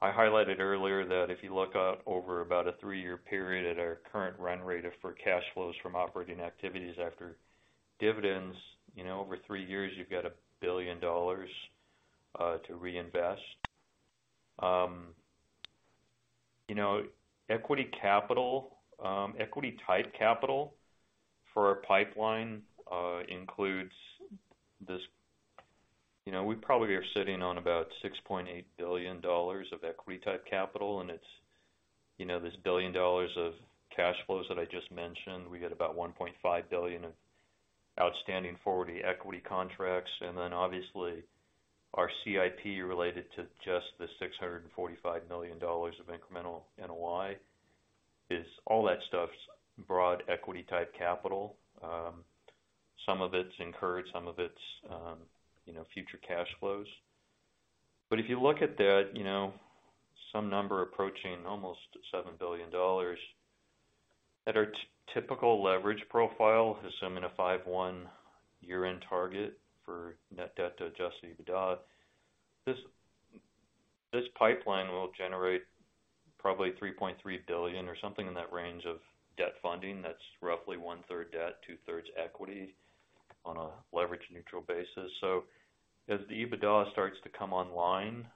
I highlighted earlier that if you look out over about a three year period at our current run rate for cash flows from operating activities after dividends, you know, over three years you've got $1 billion to reinvest. You know, equity capital, equity type capital for our pipeline includes. You know, we probably are sitting on about $6.8 billion of equity type capital, and it's, you know, this $1 billion of cash flows that I just mentioned. We get about $1.5 billion of outstanding forward equity contracts. Then obviously our CIP related to just the $645 million of incremental NOI is all that stuff's broad equity type capital. Some of it's incurred, some of it's future cash flows. If you look at that, you know, some number approaching almost $7 billion, at our typical leverage profile, assuming a 5.1 year-end target for net debt to adjusted EBITDA, this pipeline will generate probably $3.3 billion or something in that range of debt funding. That's roughly 1/3 debt, 2/3 equity on a leverage neutral basis. As the EBITDA starts to come online,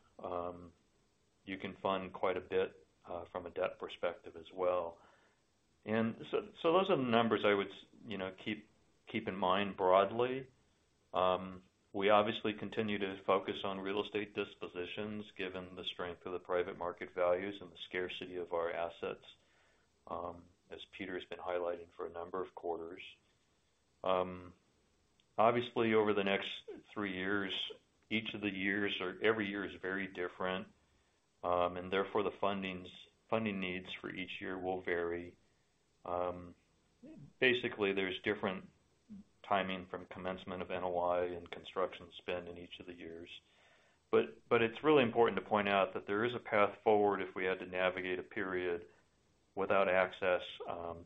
you can fund quite a bit from a debt perspective as well. Those are the numbers I would, you know, keep in mind broadly. We obviously continue to focus on real estate dispositions, given the strength of the private market values and the scarcity of our assets. As Peter has been highlighting for a number of quarters. Obviously over the next three years, each of the years or every year is very different. Therefore the funding needs for each year will vary. Basically, there's different timing from commencement of NOI and construction spend in each of the years. But it's really important to point out that there is a path forward if we had to navigate a period without access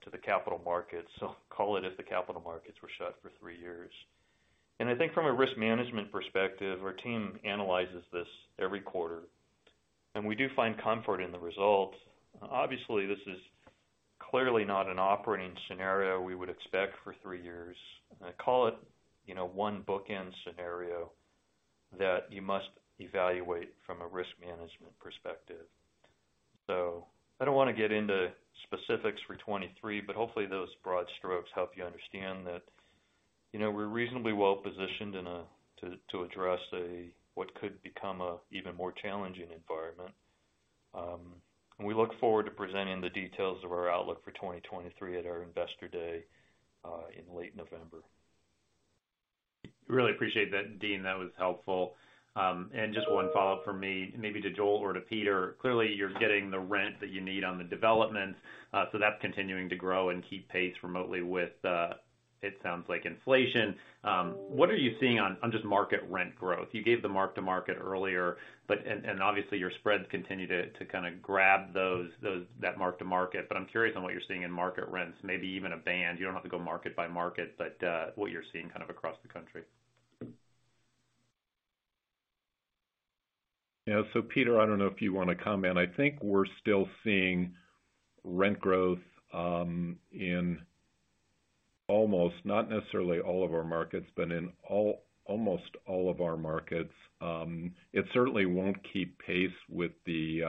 to the capital markets. Call it if the capital markets were shut for three years. I think from a risk management perspective, our team analyzes this every quarter, and we do find comfort in the results. Obviously, this is clearly not an operating scenario we would expect for three years. Call it, you know, one bookend scenario that you must evaluate from a risk management perspective. I don't wanna get into specifics for 2023, but hopefully those broad strokes help you understand that, you know, we're reasonably well-positioned to address what could become an even more challenging environment. We look forward to presenting the details of our outlook for 2023 at our Investor Day in late November. Really appreciate that, Dean. That was helpful. Just one follow-up from me, maybe to Joel or to Peter. Clearly, you're getting the rent that you need on the developments, so that's continuing to grow and keep pace remotely with, it sounds like, inflation. What are you seeing on just market rent growth? You gave the mark-to-market earlier, obviously your spreads continue to kinda grab those that mark-to-market. I'm curious on what you're seeing in market rents, maybe even a band. You don't have to go market by market, but what you're seeing kind of across the country. Yeah. Peter, I don't know if you wanna comment. I think we're still seeing rent growth in almost all of our markets. It certainly won't keep pace with the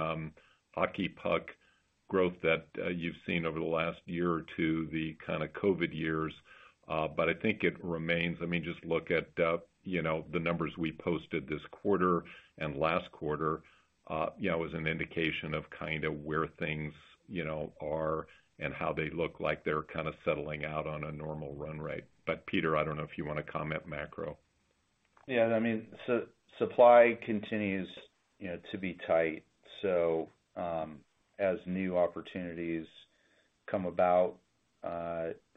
hockey stick growth that you've seen over the last year or two, the kinda COVID years. I think it remains. I mean, just look at, you know, the numbers we posted this quarter and last quarter, you know, as an indication of kinda where things, you know, are and how they look like they're kinda settling out on a normal run rate. Peter, I don't know if you wanna comment macro. Yeah. I mean, supply continues, you know, to be tight. As new opportunities come about,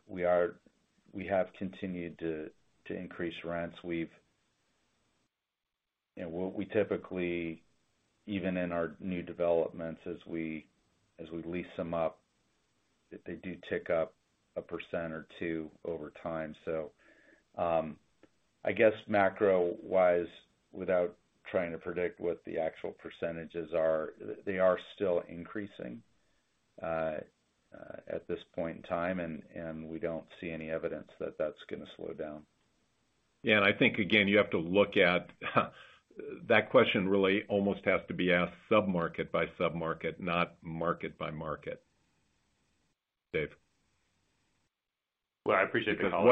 we have continued to increase rents. You know, what we typically, even in our new developments as we lease them up, they do tick up 1% or 2% over time. I guess macro-wise, without trying to predict what the actual percentages are, they are still increasing at this point in time, and we don't see any evidence that that's gonna slow down. Yeah. I think, again, that question really almost has to be asked sub-market by sub-market, not market by market. Dave. Well, I appreciate the call.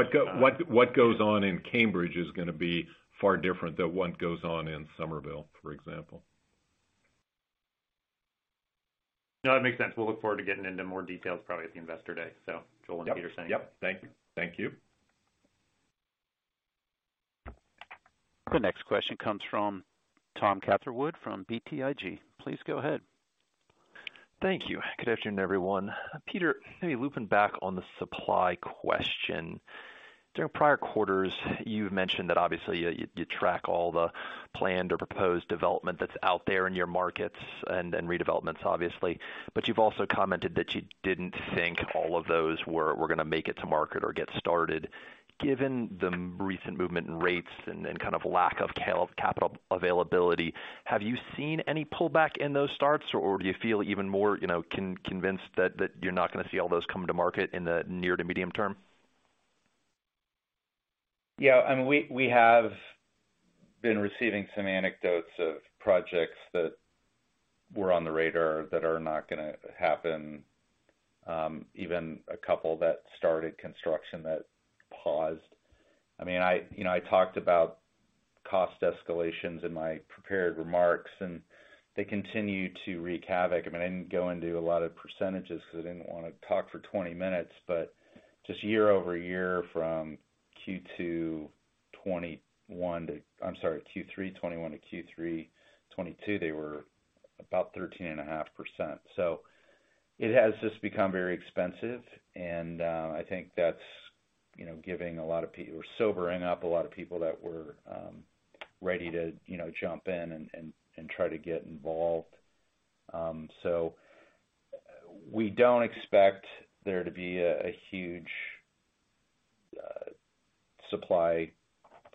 What goes on in Cambridge is gonna be far different than what goes on in Somerville, for example. No, that makes sense. We'll look forward to getting into more details probably at the Investor Day. Joel and Peter, same. Yep. Thank you. Thank you. The next question comes from Thomas Catherwood from BTIG. Please go ahead. Thank you. Good afternoon, everyone. Peter, maybe looping back on the supply question. During prior quarters, you've mentioned that obviously you track all the planned or proposed development that's out there in your markets and redevelopments, obviously. But you've also commented that you didn't think all of those were gonna make it to market or get started. Given the recent movement in rates and kind of lack of capital availability, have you seen any pullback in those starts, or do you feel even more, you know, convinced that you're not gonna see all those come to market in the near to medium term? Yeah. I mean, we have been receiving some anecdotes of projects that were on the radar that are not gonna happen, even a couple that started construction that paused. I mean, you know, I talked about cost escalations in my prepared remarks, and they continue to wreak havoc. I mean, I didn't go into a lot of percentages because I didn't wanna talk for 20 minutes. Just year-over-year from Q3 2021-Q3 2022, they were about 13.5%. It has just become very expensive, and I think that's, you know, giving a lot of people or sobering up a lot of people that were ready to, you know, jump in and try to get involved. We don't expect there to be a huge supply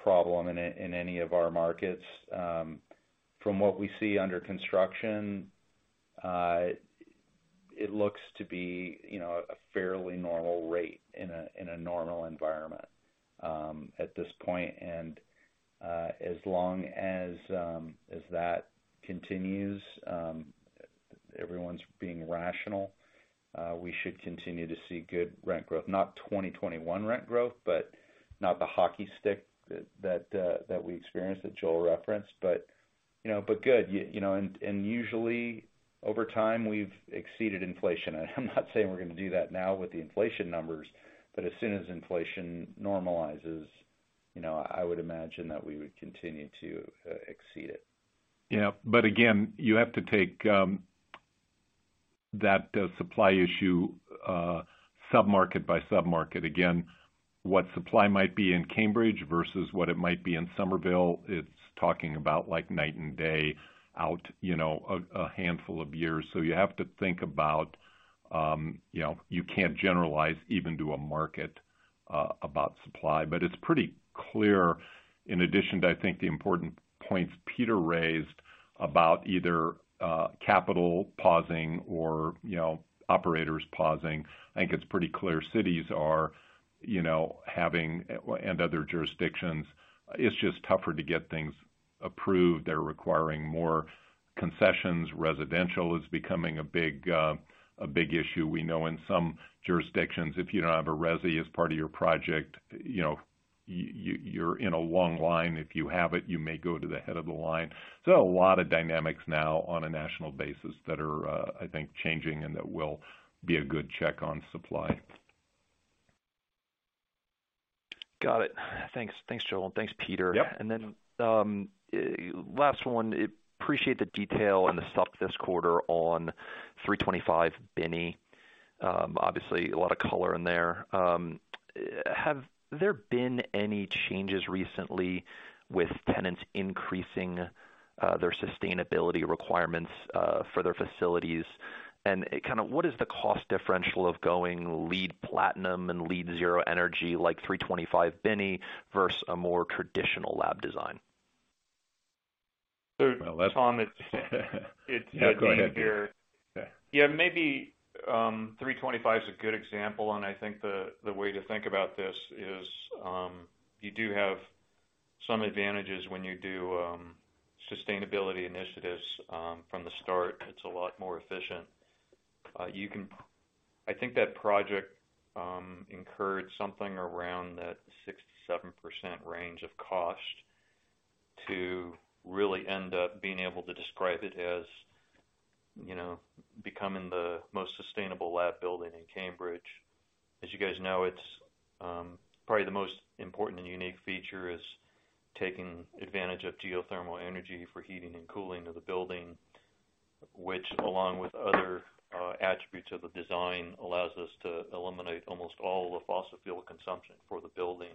problem in any of our markets. From what we see under construction, it looks to be, you know, a fairly normal rate in a normal environment at this point. As long as that continues, everyone's being rational, we should continue to see good rent growth, not 2021 rent growth, but not the hockey stick that we experienced that Joel referenced, but. You know, good. You know, and usually over time, we've exceeded inflation. I'm not saying we're gonna do that now with the inflation numbers, but as soon as inflation normalizes, you know, I would imagine that we would continue to exceed it. Yeah. Again, you have to take that the supply issue submarket by submarket. Again, what supply might be in Cambridge versus what it might be in Somerville, it's talking about like night and day out, you know, a handful of years. You have to think about, you know, you can't generalize even to a market about supply. It's pretty clear, in addition to, I think, the important points Peter raised about either capital pausing or, you know, operators pausing, I think it's pretty clear cities are, you know, having, and other jurisdictions, it's just tougher to get things approved. They're requiring more concessions. Residential is becoming a big issue. We know in some jurisdictions, if you don't have a resi as part of your project, you know, you're in a long line. If you have it, you may go to the head of the line. A lot of dynamics now on a national basis that are, I think, changing and that will be a good check on supply. Got it. Thanks. Thanks, Joel. Thanks, Peter. Yep. Last one. Appreciate the detail and the update this quarter on 325 Binney. Obviously, a lot of color in there. Have there been any changes recently with tenants increasing their sustainability requirements for their facilities? Kind of what is the cost differential of going LEED Platinum and LEED Zero Energy, like 325 Binney, versus a more traditional lab design? Tom, it's. Yeah, go ahead, Peter. It's me here. Okay. Yeah, maybe, 325 is a good example, and I think the way to think about this is, you do have some advantages when you do sustainability initiatives from the start. It's a lot more efficient. I think that project encouraged something around that 6%-7% range of cost to really end up being able to describe it as, you know, becoming the most sustainable lab building in Cambridge. As you guys know, it's probably the most important and unique feature is taking advantage of geothermal energy for heating and cooling of the building, which, along with other attributes of the design, allows us to eliminate almost all the fossil fuel consumption for the building.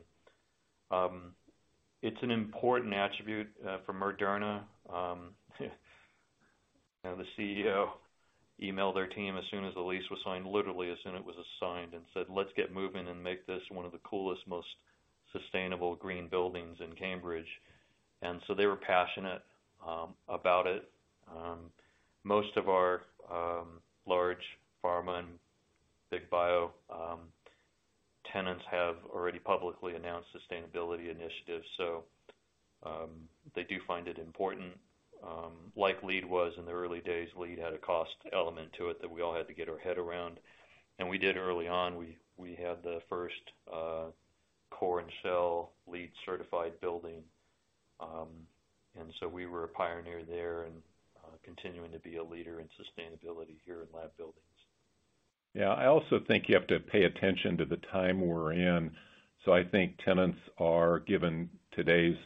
It's an important attribute for Moderna. You know, the CEO emailed their team as soon as the lease was signed, literally as soon as it was signed, and said, "Let's get moving and make this one of the coolest, most sustainable green buildings in Cambridge." They were passionate about it. Most of our large pharma and big bio tenants have already publicly announced sustainability initiatives, so they do find it important. Like LEED was in the early days, LEED had a cost element to it that we all had to get our head around. We did early on. We had the first core and shell LEED certified building. We were a pioneer there and continuing to be a leader in sustainability here in lab buildings. Yeah. I also think you have to pay attention to the time we're in. I think tenants are, given today's,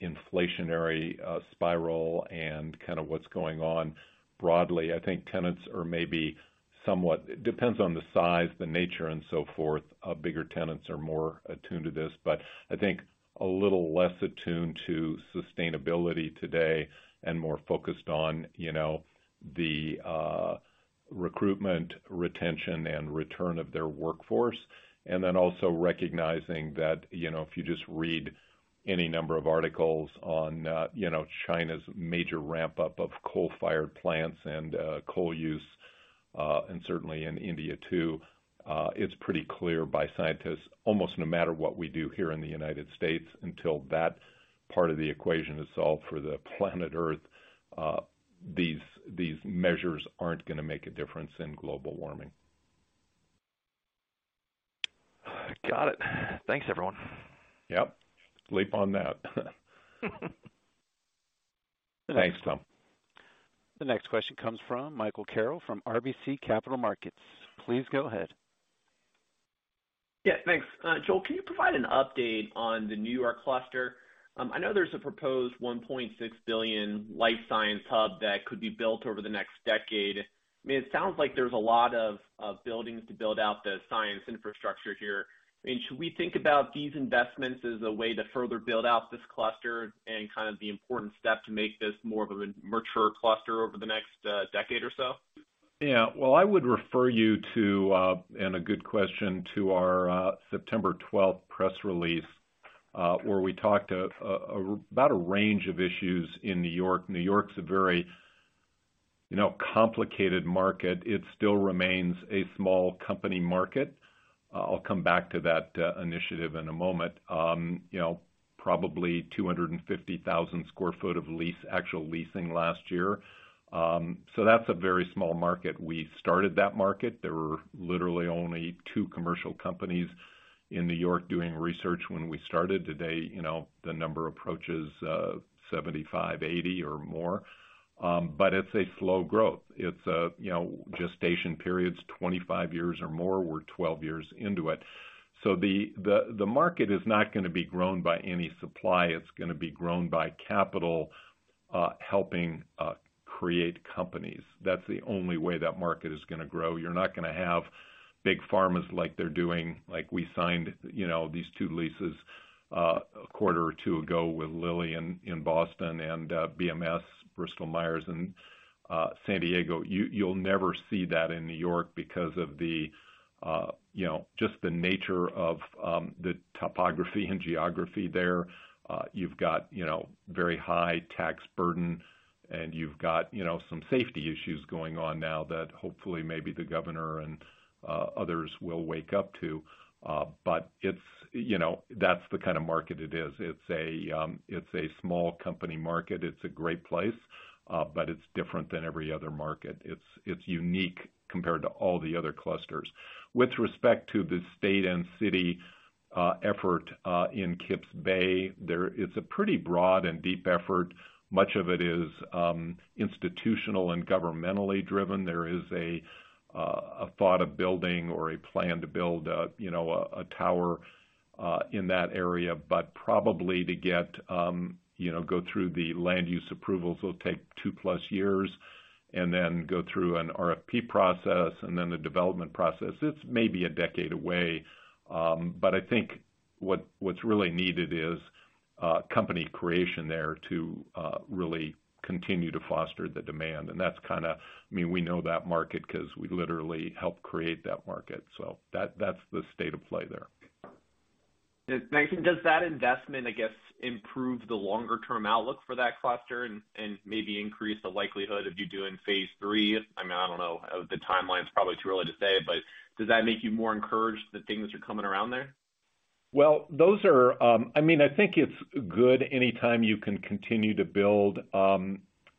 inflationary, spiral and kinda what's going on broadly. I think tenants are maybe somewhat. It depends on the size, the nature, and so forth. Bigger tenants are more attuned to this, but I think a little less attuned to sustainability today and more focused on, you know, the, recruitment, retention, and return of their workforce. Also recognizing that, you know, if you just read any number of articles on, you know, China's major ramp up of coal-fired plants and, coal use, and certainly in India too, it's pretty clear by scientists, almost no matter what we do here in the United States, until that part of the equation is solved for the planet Earth, these measures aren't gonna make a difference in global warming. Got it. Thanks, everyone. Yep. Sleep on that. Thanks, Tom. The next question comes from Michael Carroll from RBC Capital Markets. Please go ahead. Yeah, thanks. Joel, can you provide an update on the New York cluster? I know there's a proposed $1.6 billion life science hub that could be built over the next decade. I mean, it sounds like there's a lot of buildings to build out the science infrastructure here. I mean, should we think about these investments as a way to further build out this cluster and kind of the important step to make this more of a mature cluster over the next decade or so? Yeah. Well, and a good question, I would refer you to our September 12th press release, where we talked about a range of issues in New York. New York's a very, you know, complicated market. It still remains a small company market. I'll come back to that initiative in a moment. You know, probably 250,000 sq ft of lease, actual leasing last year. That's a very small market. We started that market. There were literally only two commercial companies in New York doing research when we started. Today, you know, the number approaches 75, 80 or more. It's a slow growth. It's, you know, gestation period's 25 years or more, we're 12 years into it. The market is not gonna be grown by any supply, it's gonna be grown by capital, helping create companies. That's the only way that market is gonna grow. You're not gonna have big pharmas like they're doing, like we signed, you know, these two leases, a quarter or two ago with Lilly in Boston and, BMS, Bristol Myers Squibb in San Diego. You'll never see that in New York because of the, you know, just the nature of the topography and geography there. You've got, you know, very high tax burden, and you've got, you know, some safety issues going on now that hopefully maybe the governor and others will wake up to. It's, you know, that's the kind of market it is. It's a small company market. It's a great place, but it's different than every other market. It's unique compared to all the other clusters. With respect to the state and city effort in Kips Bay, there is a pretty broad and deep effort. Much of it is institutional and governmentally driven. There is a thought of building or a plan to build you know a tower in that area. Probably to get you know go through the land use approvals will take two plus years, and then go through an RFP process and then the development process. It's maybe a decade away. I think what's really needed is company creation there to really continue to foster the demand. That's kinda I mean we know that market 'cause we literally helped create that market. That, that's the state of play there. does that investment, I guess, improve the longer-term outlook for that cluster and maybe increase the likelihood of you doing phase three? I mean, I don't know, the timeline's probably too early to say, but does that make you more encouraged that things are coming around there? Well, those are, I mean, I think it's good anytime you can continue to build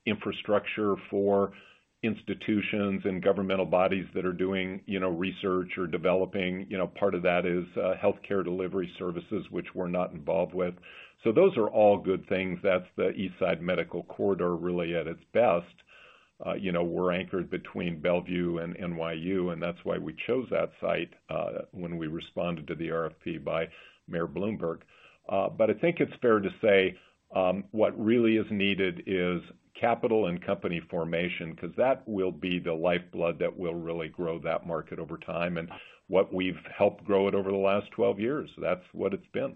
infrastructure for institutions and governmental bodies that are doing, you know, research or developing. You know, part of that is healthcare delivery services, which we're not involved with. Those are all good things. That's the East Side Medical Corridor really at its best. You know, we're anchored between Bellevue and NYU, and that's why we chose that site when we responded to the RFP by Mayor Bloomberg. I think it's fair to say what really is needed is capital and company formation, 'cause that will be the lifeblood that will really grow that market over time, and what we've helped grow it over the last 12 years. That's what it's been.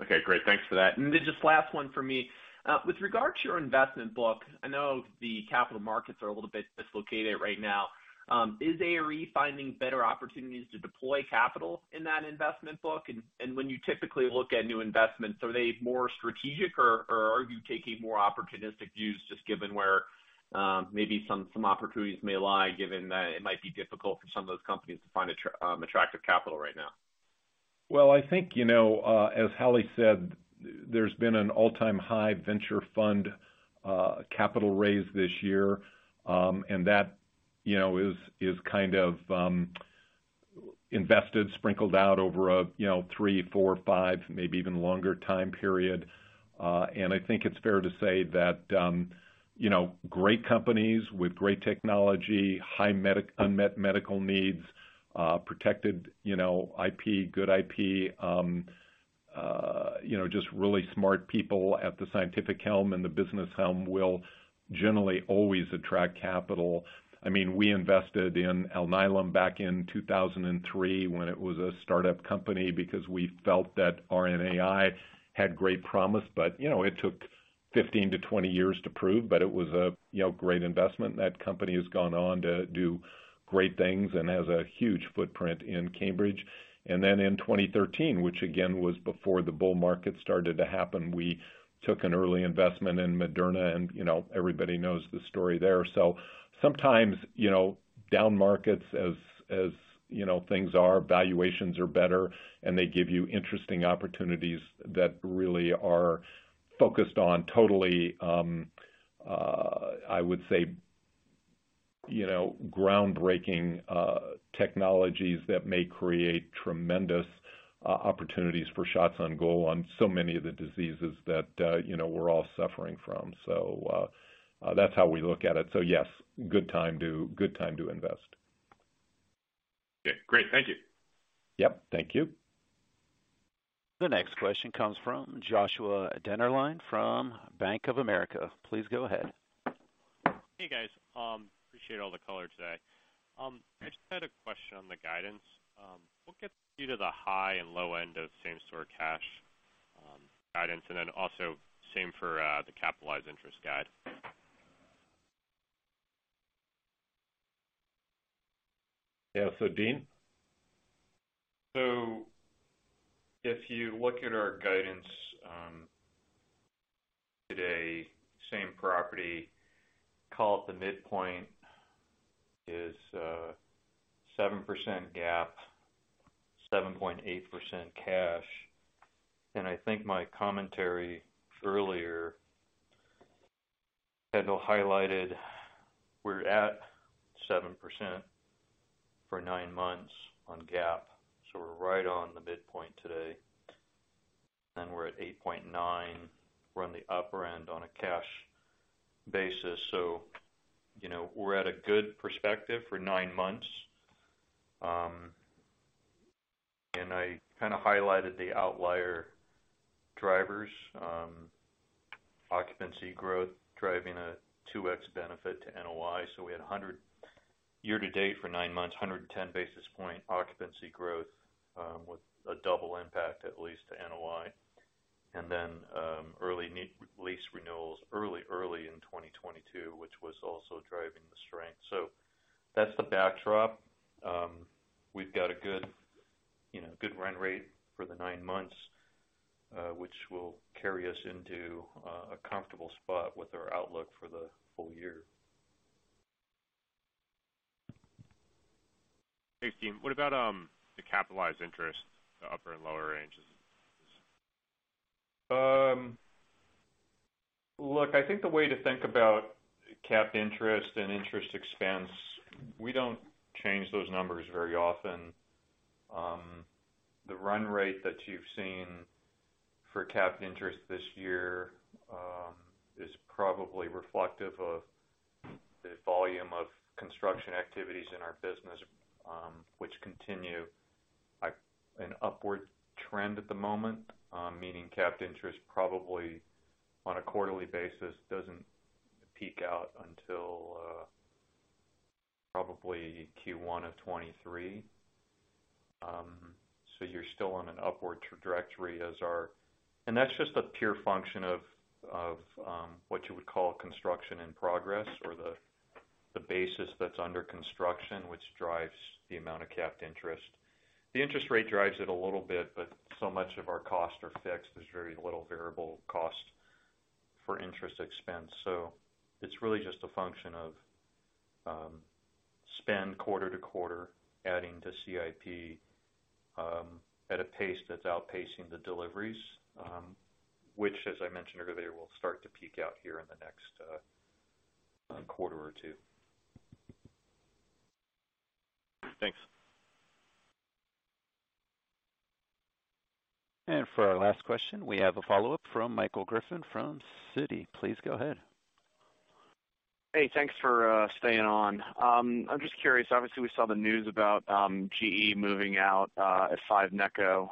Okay, great. Thanks for that. Just last one for me. With regard to your investment book, I know the capital markets are a little bit dislocated right now. Is ARE finding better opportunities to deploy capital in that investment book? When you typically look at new investments, are they more strategic, or are you taking more opportunistic views just given where, maybe some opportunities may lie, given that it might be difficult for some of those companies to find attractive capital right now? Well, I think, you know, as Hallie said, there's been an all-time high venture funding capital raise this year. That, you know, is kind of invested, sprinkled out over a, you know, three, four, five, maybe even longer time period. I think it's fair to say that, you know, great companies with great technology, high unmet medical needs, protected, you know, IP, good IP, you know, just really smart people at the scientific helm and the business helm will generally always attract capital. I mean, we invested in Alnylam back in 2003 when it was a startup company because we felt that RNAi had great promise, but, you know, it took 15-20 years to prove. It was a, you know, great investment. That company has gone on to do great things and has a huge footprint in Cambridge. Then in 2013, which again, was before the bull market started to happen, we took an early investment in Moderna and, you know, everybody knows the story there. Sometimes, you know, down markets, as you know, things are, valuations are better, and they give you interesting opportunities that really are focused on totally, I would say, you know, groundbreaking, technologies that may create tremendous opportunities for shots on goal on so many of the diseases that, you know, we're all suffering from. That's how we look at it. Yes, good time to invest. Okay, great. Thank you. Yep, thank you. The next question comes from Joshua Dennerlein from Bank of America. Please go ahead. Hey, guys. Appreciate all the color today. I just had a question on the guidance. What gets you to the high and low end of same-store cash guidance? Also same for the capitalized interest guide. Yeah. Dean? If you look at our guidance, today same property, call it the midpoint is 7% GAAP, 7.8% cash. I think my commentary earlier, Kendall highlighted we're at 7% for nine months on GAAP, so we're right on the midpoint today. We're at 8.9%. We're on the upper end on a cash basis. You know, we're at a good position for nine months. I kinda highlighted the outlier drivers, occupancy growth driving a 2x benefit to NOI. We had 110 basis point occupancy growth year-to-date for nine months, with a double impact at least to NOI. Early lease renewals early in 2022, which was also driving the strength. That's the backdrop. We've got a good, you know, good run rate for the nine months, which will carry us into a comfortable spot with our outlook for the full year. Thanks, Dean. What about the capitalized interest, the upper and lower ranges? Look, I think the way to think about capitalized interest and interest expense, we don't change those numbers very often. The run rate that you've seen for capitalized interest this year is probably reflective of the volume of construction activities in our business, which continue an upward trend at the moment, meaning capitalized interest probably on a quarterly basis doesn't peak out until probably Q1 of 2023. You're still on an upward trajectory as our. That's just a pure function of what you would call construction in progress or the basis that's under construction, which drives the amount of capped interest. The interest rate drives it a little bit, but so much of our costs are fixed. There's very little variable cost for interest expense. It's really just a function of spend quarter to quarter, adding to CIP, at a pace that's outpacing the deliveries, which as I mentioned earlier, will start to peak out here in the next quarter or two. Thanks. For our last question, we have a follow-up from Michael Griffin from Citigroup. Please go ahead. Hey, thanks for staying on. I'm just curious. Obviously, we saw the news about GE moving out at 5 Necco.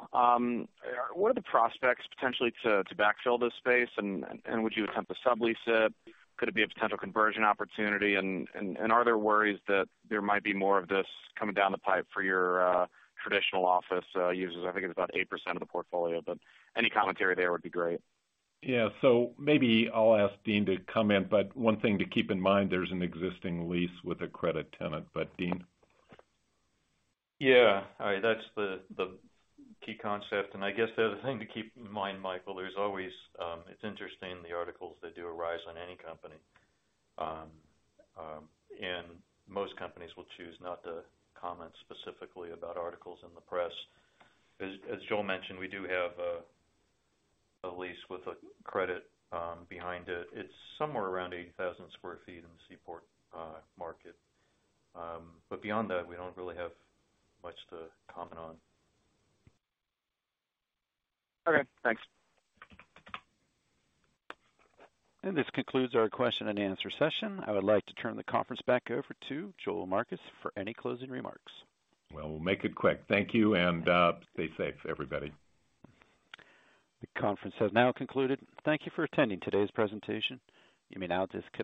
What are the prospects potentially to backfill this space and would you attempt to sublease it? Could it be a potential conversion opportunity? Are there worries that there might be more of this coming down the pipe for your traditional office users? I think it's about 8% of the portfolio, but any commentary there would be great. Yeah. Maybe I'll ask Dean to comment, but one thing to keep in mind, there's an existing lease with a credit tenant. Dean? Yeah. All right. That's the key concept. I guess the other thing to keep in mind, Michael, it's interesting, the articles that do arise on any company. Most companies will choose not to comment specifically about articles in the press. As Joel mentioned, we do have a lease with a credit behind it. It's somewhere around 80,000 sq ft in the Seaport market. Beyond that, we don't really have much to comment on. Okay. Thanks. This concludes our question-and-answer session. I would like to turn the conference back over to Joel Marcus for any closing remarks. Well, we'll make it quick. Thank you, and stay safe, everybody. The conference has now concluded. Thank you for attending today's presentation. You may now disconnect.